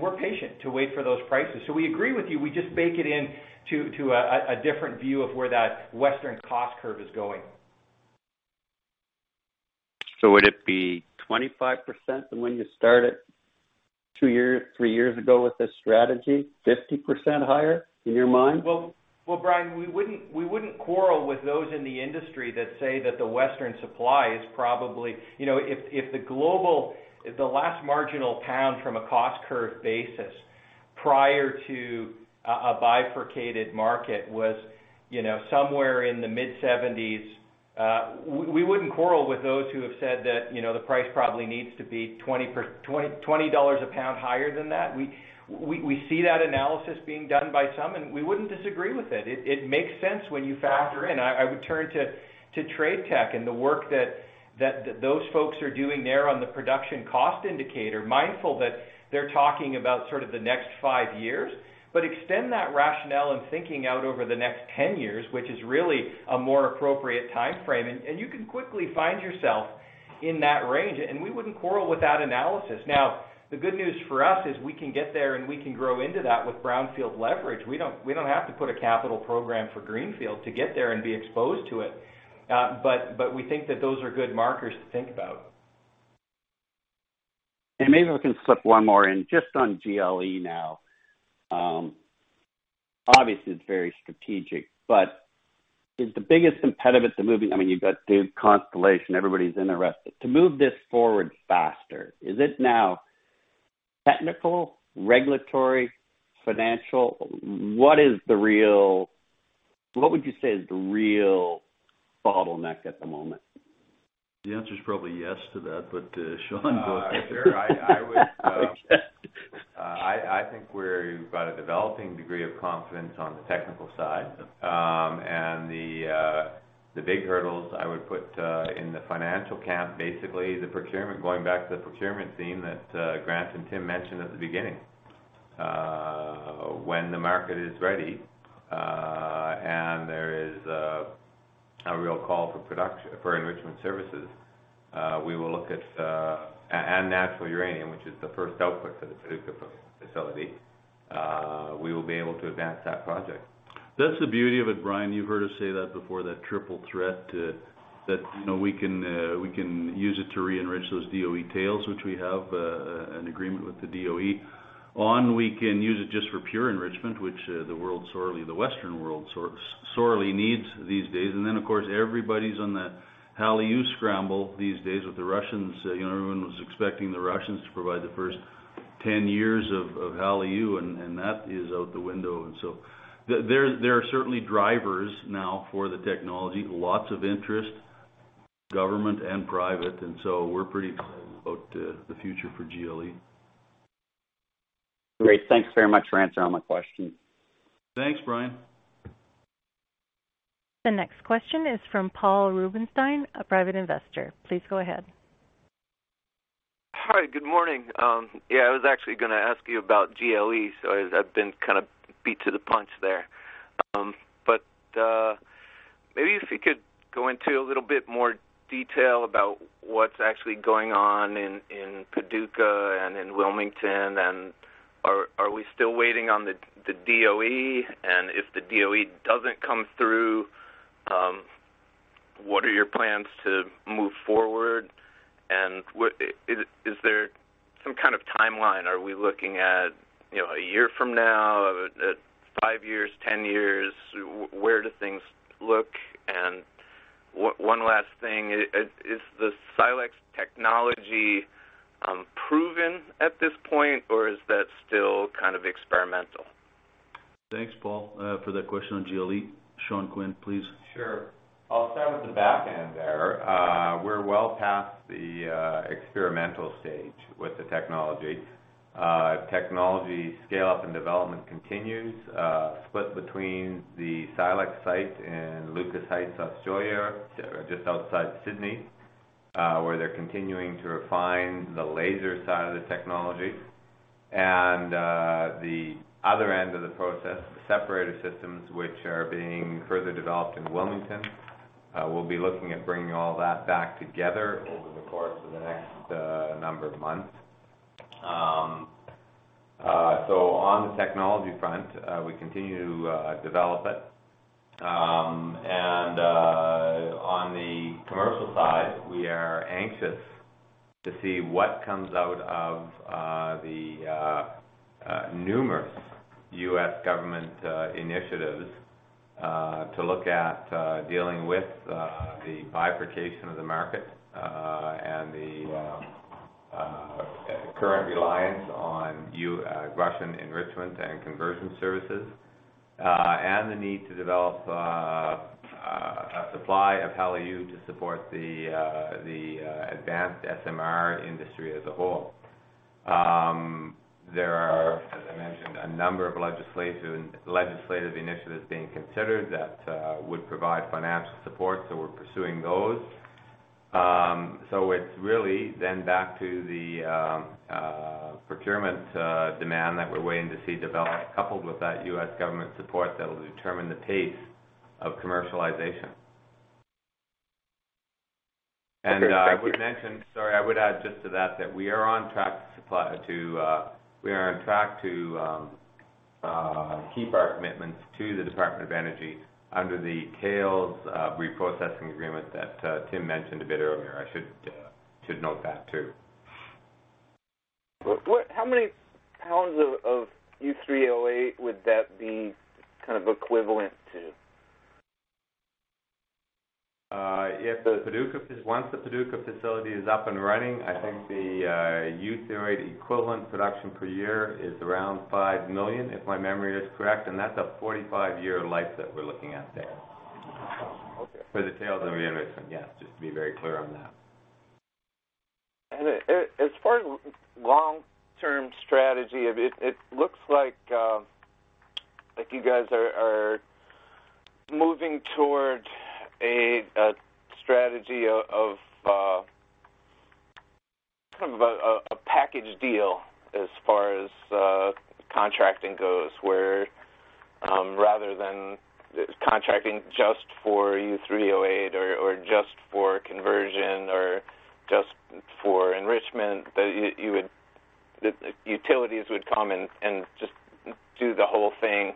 Speaker 5: We're patient to wait for those prices. We agree with you. We just bake it in to a different view of where that Western cost curve is going.
Speaker 12: Would it be 25% than when you started two years, three years ago with this strategy? 50% higher in your mind?
Speaker 5: Well, Brian, we wouldn't quarrel with those in the industry that say that the Western supply is probably. You know, if the last marginal pound from a cost curve basis prior to a bifurcated market was, you know, somewhere in the mid-70s, we wouldn't quarrel with those who have said that, you know, the price probably needs to be $20 a pound higher than that. We see that analysis being done by some, and we wouldn't disagree with it. It makes sense when you factor in. I would turn to TradeTech and the work that those folks are doing there on the Production Cost Indicator, mindful that they're talking about sort of the next five years. Extend that rationale and thinking out over the next 10 years, which is really a more appropriate timeframe, and you can quickly find yourself in that range, and we wouldn't quarrel with that analysis. Now, the good news for us is we can get there, and we can grow into that with brownfield leverage. We don't have to put a capital program for greenfield to get there and be exposed to it. But we think that those are good markers to think about.
Speaker 12: Maybe we can slip one more in just on GLE now. Obviously it's very strategic, but is the biggest impediment. I mean, you've got the Constellation, everybody's interested. To move this forward faster, is it now technical, regulatory, financial? What would you say is the real bottleneck at the moment?
Speaker 3: The answer is probably yes to that, but Sean, go ahead.
Speaker 6: Sure. I think we're at a developing degree of confidence on the technical side. The big hurdles I would put in the financial camp, basically the procurement, going back to the procurement theme that Grant and Tim mentioned at the beginning. When the market is ready and there is a real call for enrichment services, we will look at and natural uranium, which is the first output for the Paducah facility. We will be able to advance that project.
Speaker 3: That's the beauty of it, Brian. You've heard us say that before, that triple threat, that you know, we can use it to re-enrich those DOE tails, which we have an agreement with the DOE. We can use it just for pure enrichment, which the world sorely, the Western world sorely needs these days. Then, of course, everybody's on the HALEU scramble these days with the Russians. You know, everyone was expecting the Russians to provide the first 10 years of HALEU, and that is out the window. There are certainly drivers now for the technology, lots of interest, government and private. We're pretty excited about the future for GLE.
Speaker 12: Great. Thanks very much for answering all my questions.
Speaker 3: Thanks, Brian.
Speaker 1: The next question is from Paul Rubenstein, a private investor. Please go ahead.
Speaker 13: Hi, good morning. Yeah, I was actually gonna ask you about GLE, so I've been kind of beat to the punch there. Maybe if you could go into a little bit more detail about what's actually going on in Paducah and in Wilmington, and are we still waiting on the DOE? If the DOE doesn't come through, what are your plans to move forward? Is there some kind of timeline? Are we looking at, you know, a year from now, at five years, 10 years? Where do things look? One last thing. Is the Silex technology proven at this point, or is that still kind of experimental?
Speaker 3: Thanks, Paul, for that question on GLE. Sean Quinn, please.
Speaker 6: Sure. I'll start with the back end there. We're well past the experimental stage with the technology. Technology scale-up and development continues, split between the Silex site in Lucas Heights, Australia, just outside Sydney, where they're continuing to refine the laser side of the technology. The other end of the process, the separator systems, which are being further developed in Wilmington. We'll be looking at bringing all that back together over the course of the next number of months. On the technology front, we continue to develop it. On the commercial side, we are anxious to see what comes out of the numerous U.S. government initiatives to look at dealing with the bifurcation of the market and the current reliance on Russian enrichment and conversion services and the need to develop a supply of HALEU to support the advanced SMR industry as a whole. There are, as I mentioned, a number of legislative initiatives being considered that would provide financial support, so we're pursuing those. It's really back to the procurement demand that we're waiting to see develop, coupled with that U.S. government support that will determine the pace of commercialization.
Speaker 13: Okay. Thank you.
Speaker 6: I would add just to that we are on track to keep our commitments to the Department of Energy under the tails of reprocessing agreement that Tim mentioned a bit earlier. I should note that too.
Speaker 13: What, how many pounds of U308 would that be kind of equivalent to?
Speaker 6: Once the Paducah facility is up and running, I think the U308 equivalent production per year is around 5 million, if my memory is correct, and that's a 45-year life that we're looking at there.
Speaker 13: Oh, okay.
Speaker 6: For the tails and enrichment, yes, just to be very clear on that.
Speaker 13: As far as long-term strategy, it looks like you guys are moving towards a strategy of kind of a package deal as far as contracting goes, where rather than contracting just for U308 or just for conversion or just for enrichment, the utilities would come and just do the whole thing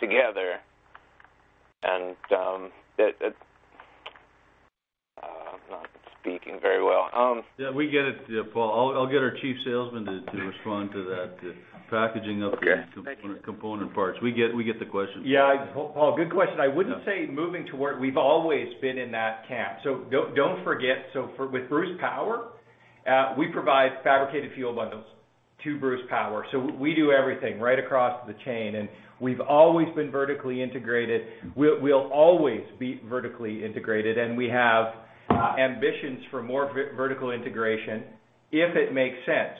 Speaker 13: together. I'm not speaking very well.
Speaker 3: Yeah, we get it, Paul. I'll get our chief salesman to respond to that, packaging up.
Speaker 13: Okay. Thank you.
Speaker 3: The component parts. We get the question.
Speaker 5: Yeah. Paul, good question. I wouldn't say moving toward. We've always been in that camp, so don't forget. With Bruce Power, we provide fabricated fuel bundles to Bruce Power, so we do everything right across the chain, and we've always been vertically integrated. We'll always be vertically integrated, and we have ambitions for more vertical integration if it makes sense.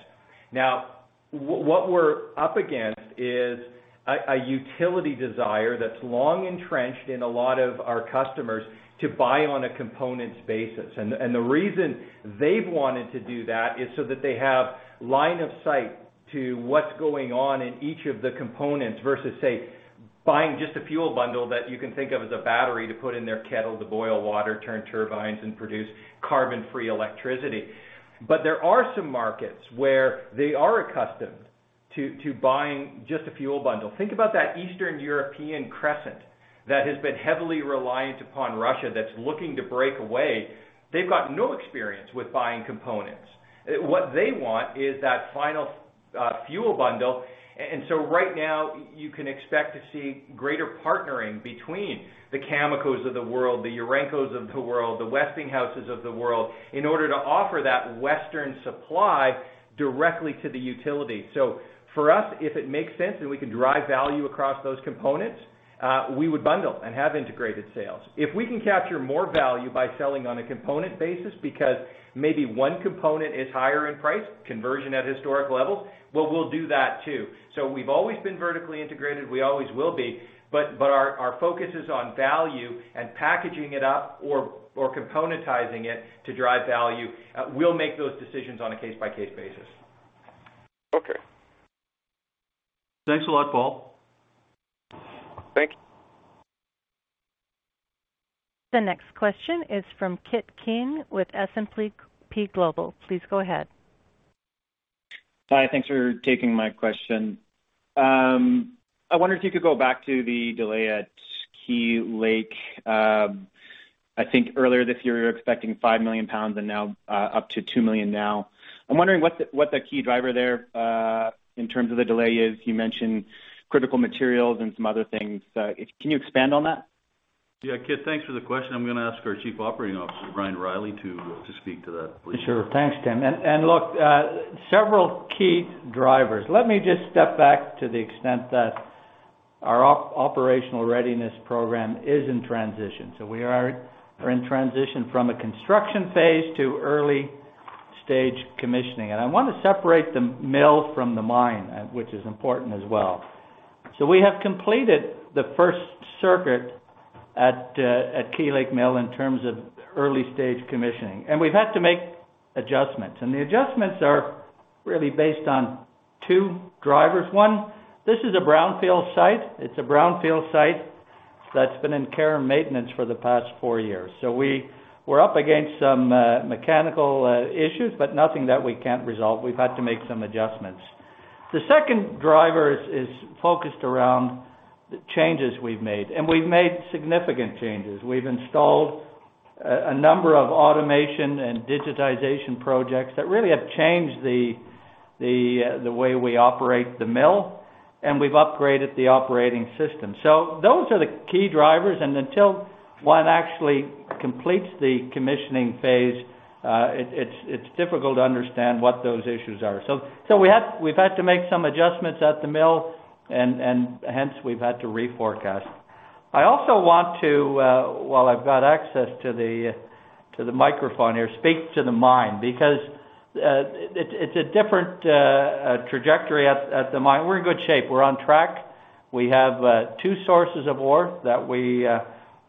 Speaker 5: Now, what we're up against is a utility desire that's long entrenched in a lot of our customers to buy on a components basis. The reason they've wanted to do that is so that they have line of sight to what's going on in each of the components versus, say, buying just a fuel bundle that you can think of as a battery to put in their kettle to boil water, turn turbines, and produce carbon-free electricity. There are some markets where they are accustomed to buying just a fuel bundle. Think about that Eastern European crescent that has been heavily reliant upon Russia, that's looking to break away. They've got no experience with buying components. What they want is that final fuel bundle. Right now, you can expect to see greater partnering between the Camecos of the world, the Urencos of the world, the Westinghouses of the world, in order to offer that Western supply directly to the utility. For us, if it makes sense and we can drive value across those components, we would bundle and have integrated sales. If we can capture more value by selling on a component basis because maybe one component is higher in price, conversion at historic levels, we'll do that too. We've always been vertically integrated. We always will be. Our focus is on value and packaging it up or componentizing it to drive value. We'll make those decisions on a case-by-case basis.
Speaker 13: Okay.
Speaker 3: Thanks a lot, Paul.
Speaker 13: Thank you.
Speaker 1: The next question is from Kip Keen with S&P Global. Please go ahead.
Speaker 14: Hi. Thanks for taking my question. I wonder if you could go back to the delay at Key Lake. I think earlier this year, you were expecting 5 million lbs and now up to 2 million lbs now. I'm wondering what the key driver there in terms of the delay is. You mentioned critical materials and some other things. Can you expand on that?
Speaker 3: Yeah. Kip, thanks for the question. I'm gonna ask our Chief Operating Officer, Brian Reilly, to speak to that, please.
Speaker 15: Sure. Thanks, Tim. Look, several key drivers. Let me just step back to the extent that our operational readiness program is in transition. We are in transition from a construction phase to early stage commissioning. I want to separate the mill from the mine, which is important as well. We have completed the first circuit at Key Lake mill in terms of early stage commissioning. We've had to make adjustments, and the adjustments are really based on two drivers. One, this is a brownfield site. It's a brownfield site that's been in care and maintenance for the past four years. We're up against some mechanical issues, but nothing that we can't resolve. We've had to make some adjustments. The second driver is focused around the changes we've made, and we've made significant changes. We've installed. A number of automation and digitization projects that really have changed the way we operate the mill, and we've upgraded the operating system. Those are the key drivers, and until one actually completes the commissioning phase, it's difficult to understand what those issues are. We've had to make some adjustments at the mill and hence we've had to reforecast. I also want to, while I've got access to the microphone here, speak to the mine because it's a different trajectory at the mine. We're in good shape. We're on track. We have two sources of ore that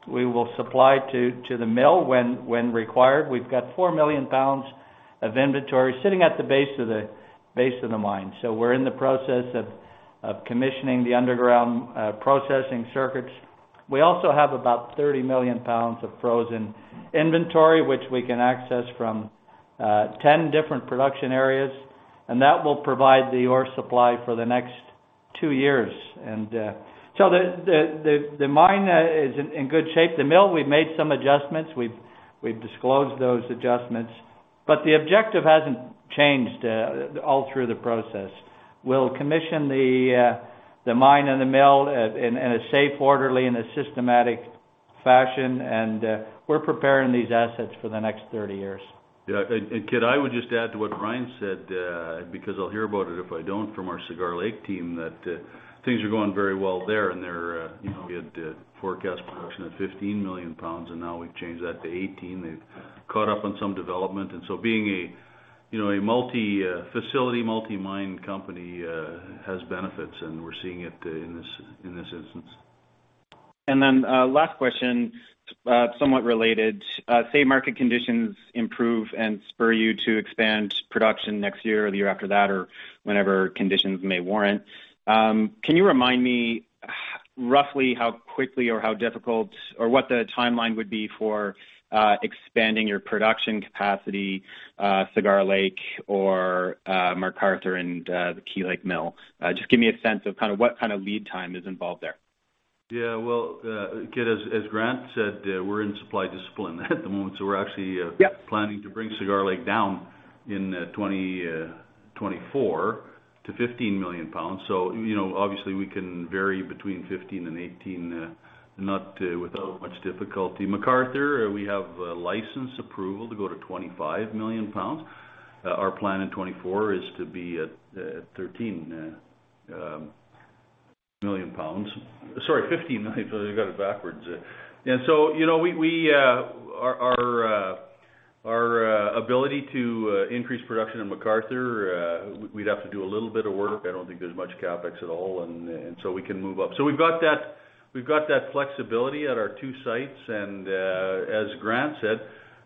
Speaker 15: we will supply to the mill when required. We've got 4 million lbs of inventory sitting at the base of the mine. We're in the process of commissioning the underground processing circuits. We also have about 30 million lbs of frozen inventory, which we can access from 10 different production areas, and that will provide the ore supply for the next two years. The mine is in good shape. The mill, we've made some adjustments. We've disclosed those adjustments, but the objective hasn't changed all through the process. We'll commission the mine and the mill in a safe, orderly, and a systematic fashion. We're preparing these assets for the next 30 years.
Speaker 3: Yeah. Kip, I would just add to what Brian said, because I'll hear about it if I don't, from our Cigar Lake team, that things are going very well there, and they're, you know, we had forecast production of 15 million lbs, and now we've changed that to 18 million lbs. They've caught up on some development. Being a multi-facility, multi-mine company has benefits, and we're seeing it in this instance.
Speaker 14: Last question, somewhat related. Say market conditions improve and spur you to expand production next year or the year after that, or whenever conditions may warrant. Can you remind me roughly how quickly or how difficult, or what the timeline would be for expanding your production capacity, Cigar Lake or McArthur and the Key Lake mill? Just give me a sense of kind of what kind of lead time is involved there.
Speaker 3: Yeah. Well, Kip, as Grant said, we're in supply discipline at the moment, so we're actually.
Speaker 14: Yep.
Speaker 3: Planning to bring Cigar Lake down in 2024 to 15 million lbs. You know, obviously we can vary between 15 million lbs and 18 million lbs not without much difficulty. McArthur, we have a license approval to go to 25 million lbs. Our plan in 2024 is to be at 13 million lbs. Sorry, 15 million lbs. I got it backwards. You know, our ability to increase production in McArthur, we'd have to do a little bit of work. I don't think there's much CapEx at all, and so we can move up. We've got that flexibility at our two sites. As Grant said,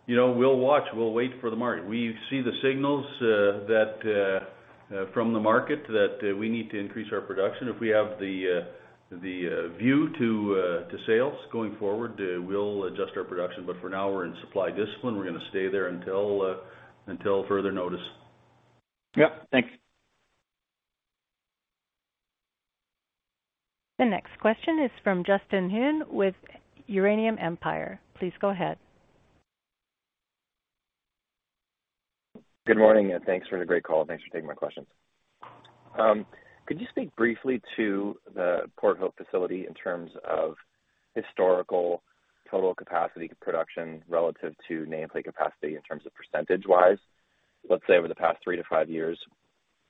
Speaker 3: you know, we'll watch, we'll wait for the market. We see the signals from the market that we need to increase our production. If we have the view to sales going forward, we'll adjust our production. For now, we're in supply discipline. We're gonna stay there until further notice.
Speaker 14: Yep. Thanks.
Speaker 1: The next question is from Justin Huhn with Uranium Empire. Please go ahead.
Speaker 16: Good morning, and thanks for the great call. Thanks for taking my questions. Could you speak briefly to the Port Hope facility in terms of historical total capacity production relative to nameplate capacity in terms of percentage-wise, let's say, over the past 3 years to 5 years?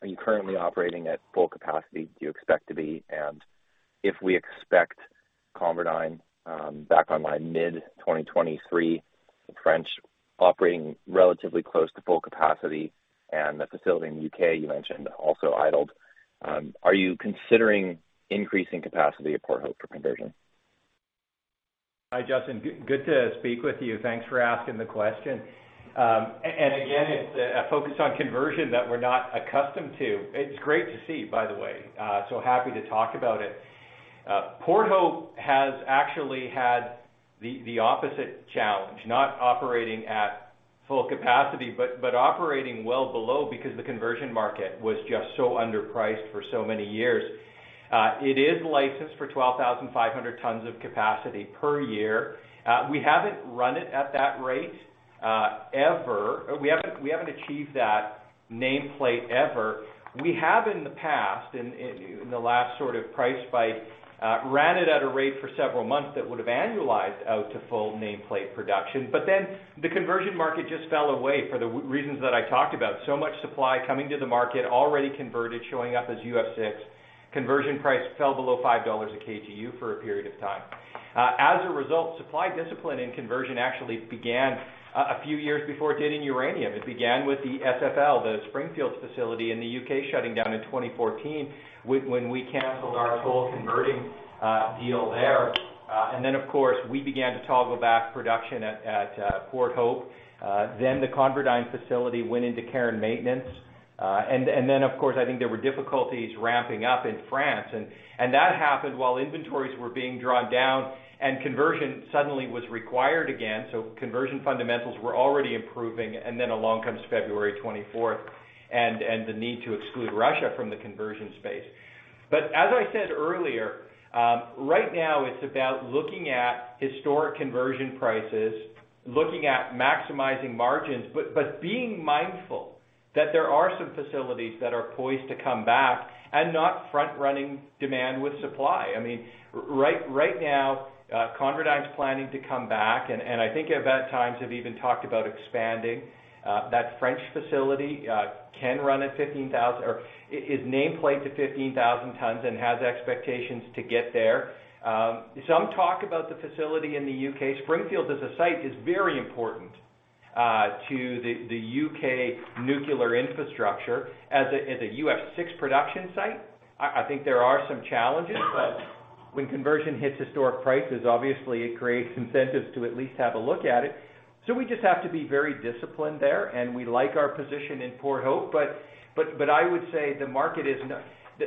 Speaker 16: Are you currently operating at full capacity? Do you expect to be? If we expect ConverDyn back online mid-2023, the French operating relatively close to full capacity and the facility in the U.K. you mentioned also idled, are you considering increasing capacity at Port Hope for conversion?
Speaker 5: Hi, Justin. Good to speak with you. Thanks for asking the question. Again, it's a focus on conversion that we're not accustomed to. It's great to see, by the way, so happy to talk about it. Port Hope has actually had the opposite challenge, not operating at full capacity, but operating well below because the conversion market was just so underpriced for so many years. It is licensed for 12,500 tons of capacity per year. We haven't run it at that rate ever. We haven't achieved that nameplate ever. We have in the past, in the last sort of price spike, ran it at a rate for several months that would have annualized out to full nameplate production. The conversion market just fell away for the reasons that I talked about. Much supply coming to the market already converted, showing up as UF6. Conversion price fell below 5 dollars a kgU for a period of time. As a result, supply discipline in conversion actually began a few years before it did in uranium. It began with the SFL, the Springfields facility in the U.K., shutting down in 2014 when we canceled our whole converting deal there. And then of course, we began to throttle back production at Port Hope. Then the ConverDyn facility went into care and maintenance. And then of course, I think there were difficulties ramping up in France. That happened while inventories were being drawn down and conversion suddenly was required again. Conversion fundamentals were already improving. Then along comes February 24th and the need to exclude Russia from the conversion space. As I said earlier, right now it's about looking at historic conversion prices, looking at maximizing margins, but being mindful that there are some facilities that are poised to come back and not front-running demand with supply. I mean, right now, ConverDyn's planning to come back, and I think at that time, have even talked about expanding. That French facility can run at 15,000 or is nameplate to 15,000 tons and has expectations to get there. Some talk about the facility in the U.K. Springfield as a site is very important to the U.K. nuclear infrastructure as a UF6 production site. I think there are some challenges, but when conversion hits historic prices, obviously it creates incentives to at least have a look at it. We just have to be very disciplined there, and we like our position in Port Hope. I would say the market is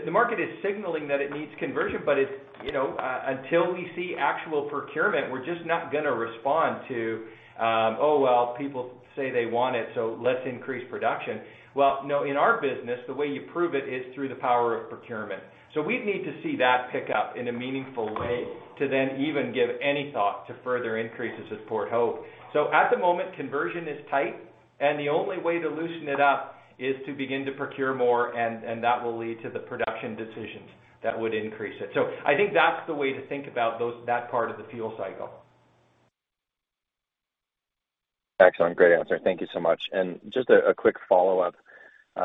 Speaker 5: the market is signaling that it needs conversion, but it's, you know, until we see actual procurement, we're just not gonna respond to, well, people say they want it, so let's increase production. Well, no, in our business, the way you prove it is through the power of procurement. We'd need to see that pick up in a meaningful way to then even give any thought to further increases at Port Hope. At the moment, conversion is tight, and the only way to loosen it up is to begin to procure more, and that will lead to the production decisions that would increase it. I think that's the way to think about that part of the fuel cycle.
Speaker 16: Excellent. Great answer. Thank you so much. Just a quick follow-up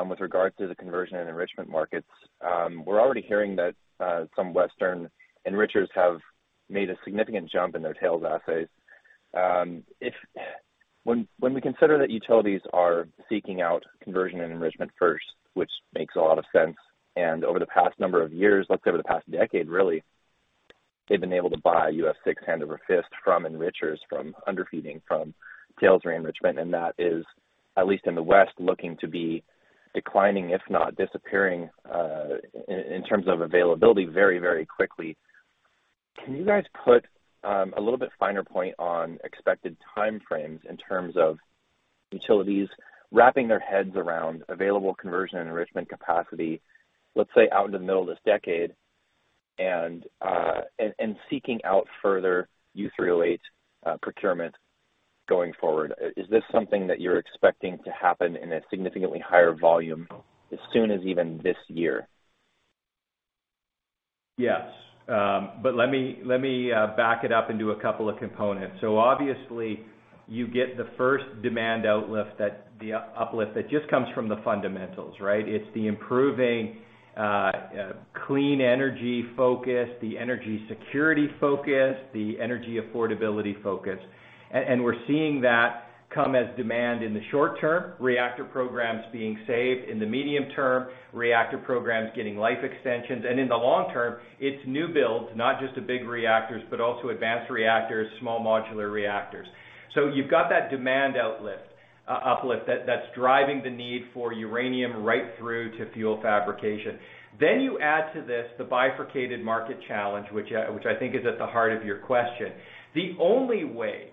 Speaker 16: with regard to the conversion and enrichment markets. We're already hearing that some Western enrichers have made a significant jump in their tails assays. When we consider that utilities are seeking out conversion and enrichment first, which makes a lot of sense, and over the past number of years, like over the past decade really, they've been able to buy UF6 hand over fist from enrichers, from underfeeding, from tails re-enrichment, and that is at least in the West, looking to be declining, if not disappearing, in terms of availability very, very quickly. Can you guys put a little bit finer point on expected time frames in terms of utilities wrapping their heads around available conversion and enrichment capacity, let's say, out in the middle of this decade and seeking out further U308 procurement going forward? Is this something that you're expecting to happen in a significantly higher volume as soon as even this year?
Speaker 5: Yes. Let me back it up into a couple of components. Obviously you get the first demand uplift that just comes from the fundamentals, right? It's the improving clean energy focus, the energy security focus, the energy affordability focus. We're seeing that come as demand in the short-term, reactor programs being saved in the medium-term, reactor programs getting life extensions. In the long-term, it's new builds, not just the big reactors, but also advanced reactors, small modular reactors. You've got that demand uplift that's driving the need for uranium right through to fuel fabrication. You add to this the bifurcated market challenge, which I think is at the heart of your question. The only way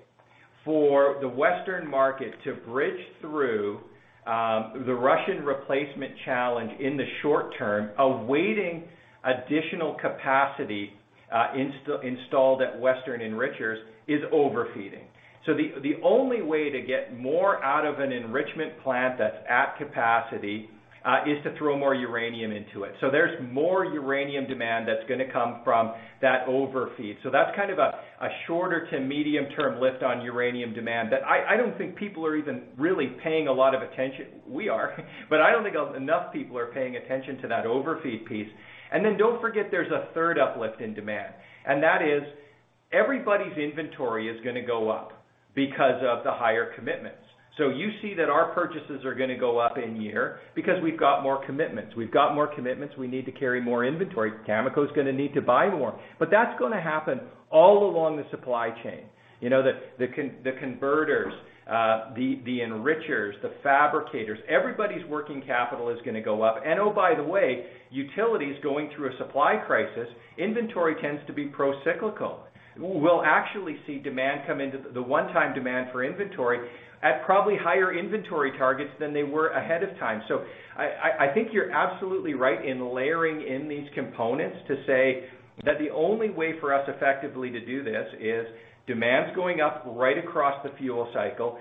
Speaker 5: for the Western market to bridge through the Russian replacement challenge in the short-term, awaiting additional capacity installed at Western enrichers, is overfeeding. The only way to get more out of an enrichment plant that's at capacity is to throw more uranium into it. There's more uranium demand that's gonna come from that overfeed. That's kind of a shorter-to-medium-term lift on uranium demand that I don't think people are even really paying a lot of attention. We are but I don't think enough people are paying attention to that overfeed piece. Don't forget there's a third uplift in demand, and that is everybody's inventory is gonna go up because of the higher commitments. You see that our purchases are gonna go up in year because we've got more commitments. We've got more commitments, we need to carry more inventory. Cameco is gonna need to buy more. That's gonna happen all along the supply chain. You know, the converters, the enrichers, the fabricators, everybody's working capital is gonna go up. Oh, by the way, utilities going through a supply crisis, inventory tends to be pro-cyclical. We'll actually see demand come into the one-time demand for inventory at probably higher inventory targets than they were ahead of time. I think you're absolutely right in layering in these components to say that the only way for us effectively to do this is demand's going up right across the fuel cycle.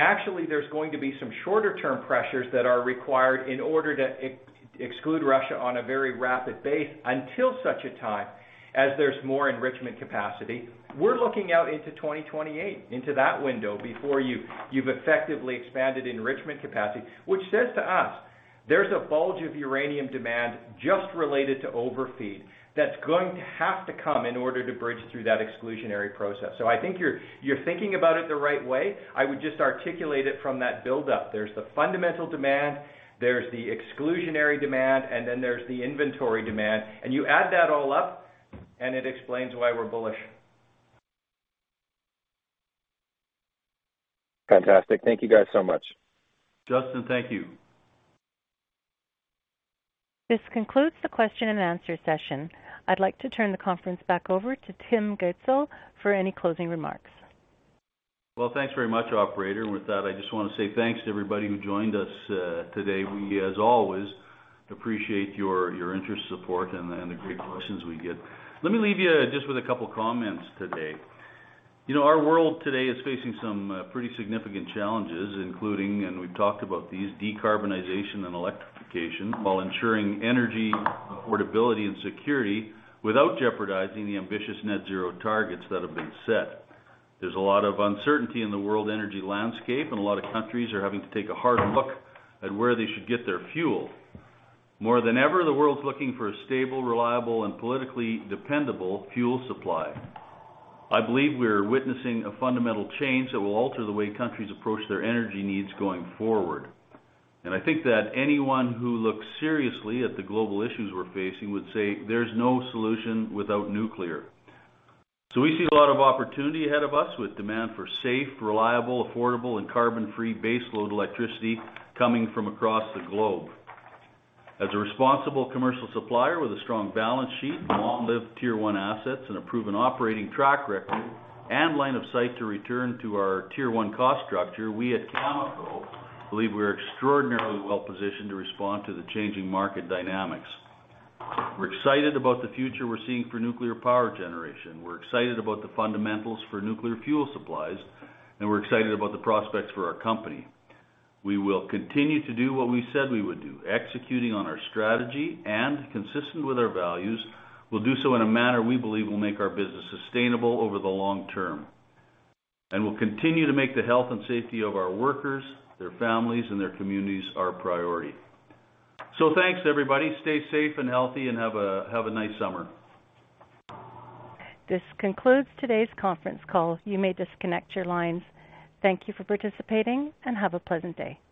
Speaker 5: Actually there's going to be some shorter-term pressures that are required in order to exclude Russia on a very rapid basis until such a time as there's more enrichment capacity. We're looking out into 2028, into that window before you've effectively expanded enrichment capacity, which says to us, there's a bulge of uranium demand just related to overfeed that's going to have to come in order to bridge through that exclusionary process. So I think you're thinking about it the right way. I would just articulate it from that buildup. There's the fundamental demand, there's the exclusionary demand, and then there's the inventory demand. You add that all up, and it explains why we're bullish.
Speaker 16: Fantastic. Thank you guys so much.
Speaker 3: Justin, thank you.
Speaker 1: This concludes the question and answer session. I'd like to turn the conference back over to Tim Gitzel for any closing remarks.
Speaker 3: Well, thanks very much, operator. With that, I just wanna say thanks to everybody who joined us today. We, as always, appreciate your interest, support, and the great questions we get. Let me leave you just with a couple of comments today. You know, our world today is facing some pretty significant challenges, including, and we've talked about these, decarbonization and electrification while ensuring energy affordability and security without jeopardizing the ambitious net zero targets that have been set. There's a lot of uncertainty in the world energy landscape, and a lot of countries are having to take a hard look at where they should get their fuel. More than ever, the world's looking for a stable, reliable, and politically dependable fuel supply. I believe we're witnessing a fundamental change that will alter the way countries approach their energy needs going forward. I think that anyone who looks seriously at the global issues we're facing would say there's no solution without nuclear. We see a lot of opportunity ahead of us with demand for safe, reliable, affordable, and carbon-free baseload electricity coming from across the globe. As a responsible commercial supplier with a strong balance sheet, long-lived tier-one assets and a proven operating track record and line of sight to return to our tier-one cost structure, we at Cameco believe we're extraordinarily well-positioned to respond to the changing market dynamics. We're excited about the future we're seeing for nuclear power generation. We're excited about the fundamentals for nuclear fuel supplies, and we're excited about the prospects for our company. We will continue to do what we said we would do, executing on our strategy, and consistent with our values, we'll do so in a manner we believe will make our business sustainable over the long-term. We'll continue to make the health and safety of our workers, their families, and their communities our priority. Thanks, everybody. Stay safe and healthy, and have a nice summer.
Speaker 1: This concludes today's conference call. You may disconnect your lines. Thank you for participating, and have a pleasant day.